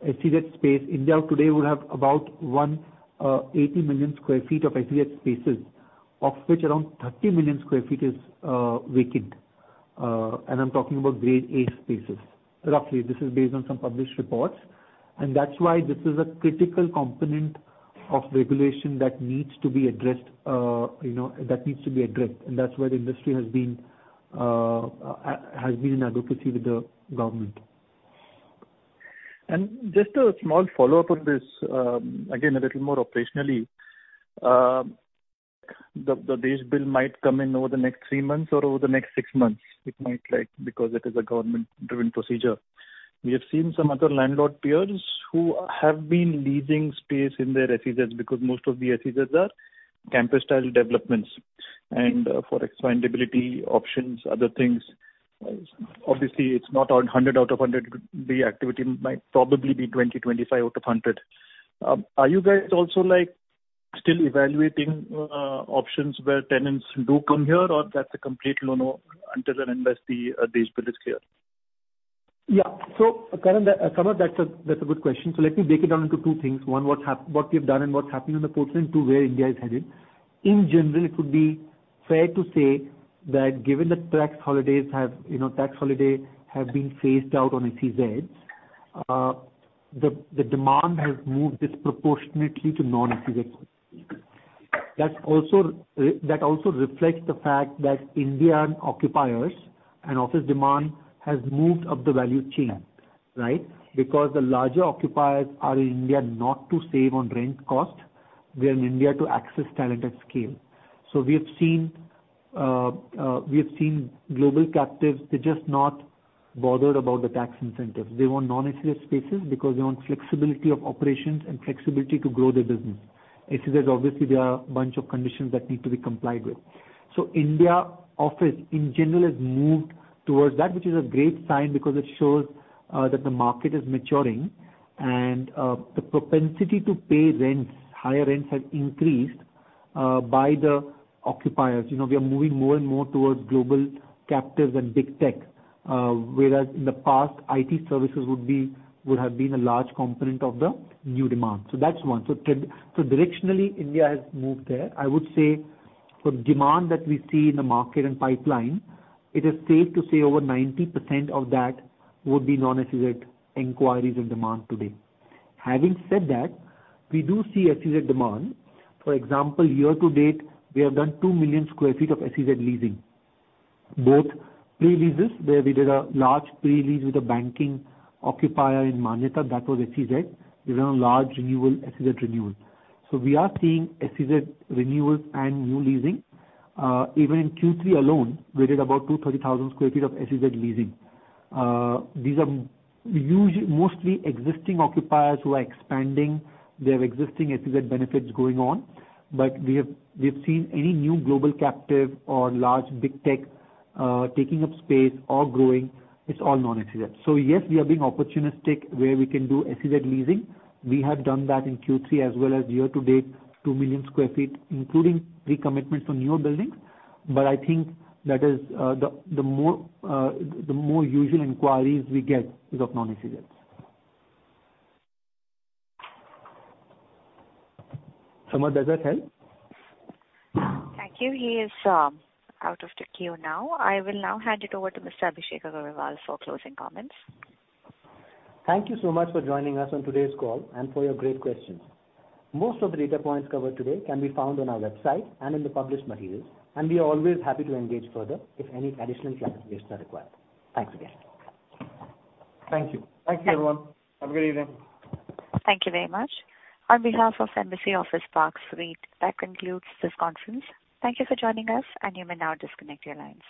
SEZ space, India today would have about 180 million sq ft of SEZ spaces, of which around 30 million sq ft is vacant. I'm talking about Grade A spaces. Roughly. This is based on some published reports. That's why this is a critical component of regulation that needs to be addressed, you know, that needs to be addressed. That's where the industry has been in advocacy with the government. Just a small follow-up on this, again, a little more operationally. The DESH Bill might come in over the next three months or over the next six months. It might, like, because it is a government-driven procedure. We have seen some other landlord peers who have been leasing space in their SEZs, because most of the SEZs are campus-style developments. For expandability options, other things, obviously it's not on 100 out of 100 the activity might probably be 20, 25 out of 100. Are you guys also, like, still evaluating options where tenants do come here or that's a complete no-no until and unless the DESH Bill is clear? Karan, Samar, that's a, that's a good question. Let me break it down into two things. One, what we have done and what's happening in the portfolio, and two, where India is headed. In general, it would be fair to say that given the tax holidays have, you know, tax holiday have been phased out on SEZs, the demand has moved disproportionately to non-SEZ. That also reflects the fact that India occupiers and office demand has moved up the value chain, right? Because the larger occupiers are in India not to save on rent cost. They're in India to access talent at scale. We have seen global captives, they're just not bothered about the tax incentives. They want non-SEZ spaces because they want flexibility of operations and flexibility to grow their business. SEZs, obviously, there are a bunch of conditions that need to be complied with. India office in general has moved towards that, which is a great sign because it shows that the market is maturing and the propensity to pay rents, higher rents, has increased by the occupiers. You know, we are moving more and more towards global captives and big tech, whereas in the past, IT services would have been a large component of the new demand. That's one. Directionally, India has moved there. I would say for demand that we see in the market and pipeline, it is safe to say over 90% of that would be non-SEZ inquiries and demand today. Having said that, we do see SEZ demand. For example, year to date, we have done 2 million sq ft of SEZ leasing, both pre-leases, where we did a large pre-lease with a banking occupier in Manyata, that was SEZ. We've done a large renewal, SEZ renewal. We are seeing SEZ renewals and new leasing. Even in Q3 alone, we did about 230,000 sq ft of SEZ leasing. These are mostly existing occupiers who are expanding their existing SEZ benefits going on. We have, we've seen any new global captive or large big tech, taking up space or growing, it's all non-SEZ. Yes, we are being opportunistic where we can do SEZ leasing. We have done that in Q3 as well as year to date, 2 million sq ft, including pre-commitments on newer buildings. I think that is the more usual inquiries we get is of non-SEZs. Samar, does that help? Thank you. He is out of the queue now. I will now hand it over to Mr. Abhishek Agarwal for closing comments. Thank you so much for joining us on today's call and for your great questions. Most of the data points covered today can be found on our website and in the published materials, and we are always happy to engage further if any additional clarifications are required. Thanks again. Thank you. Thank you, everyone. Have a good evening. Thank you very much. On behalf of Embassy Office Parks REIT, that concludes this conference. Thank you for joining us, and you may now disconnect your lines.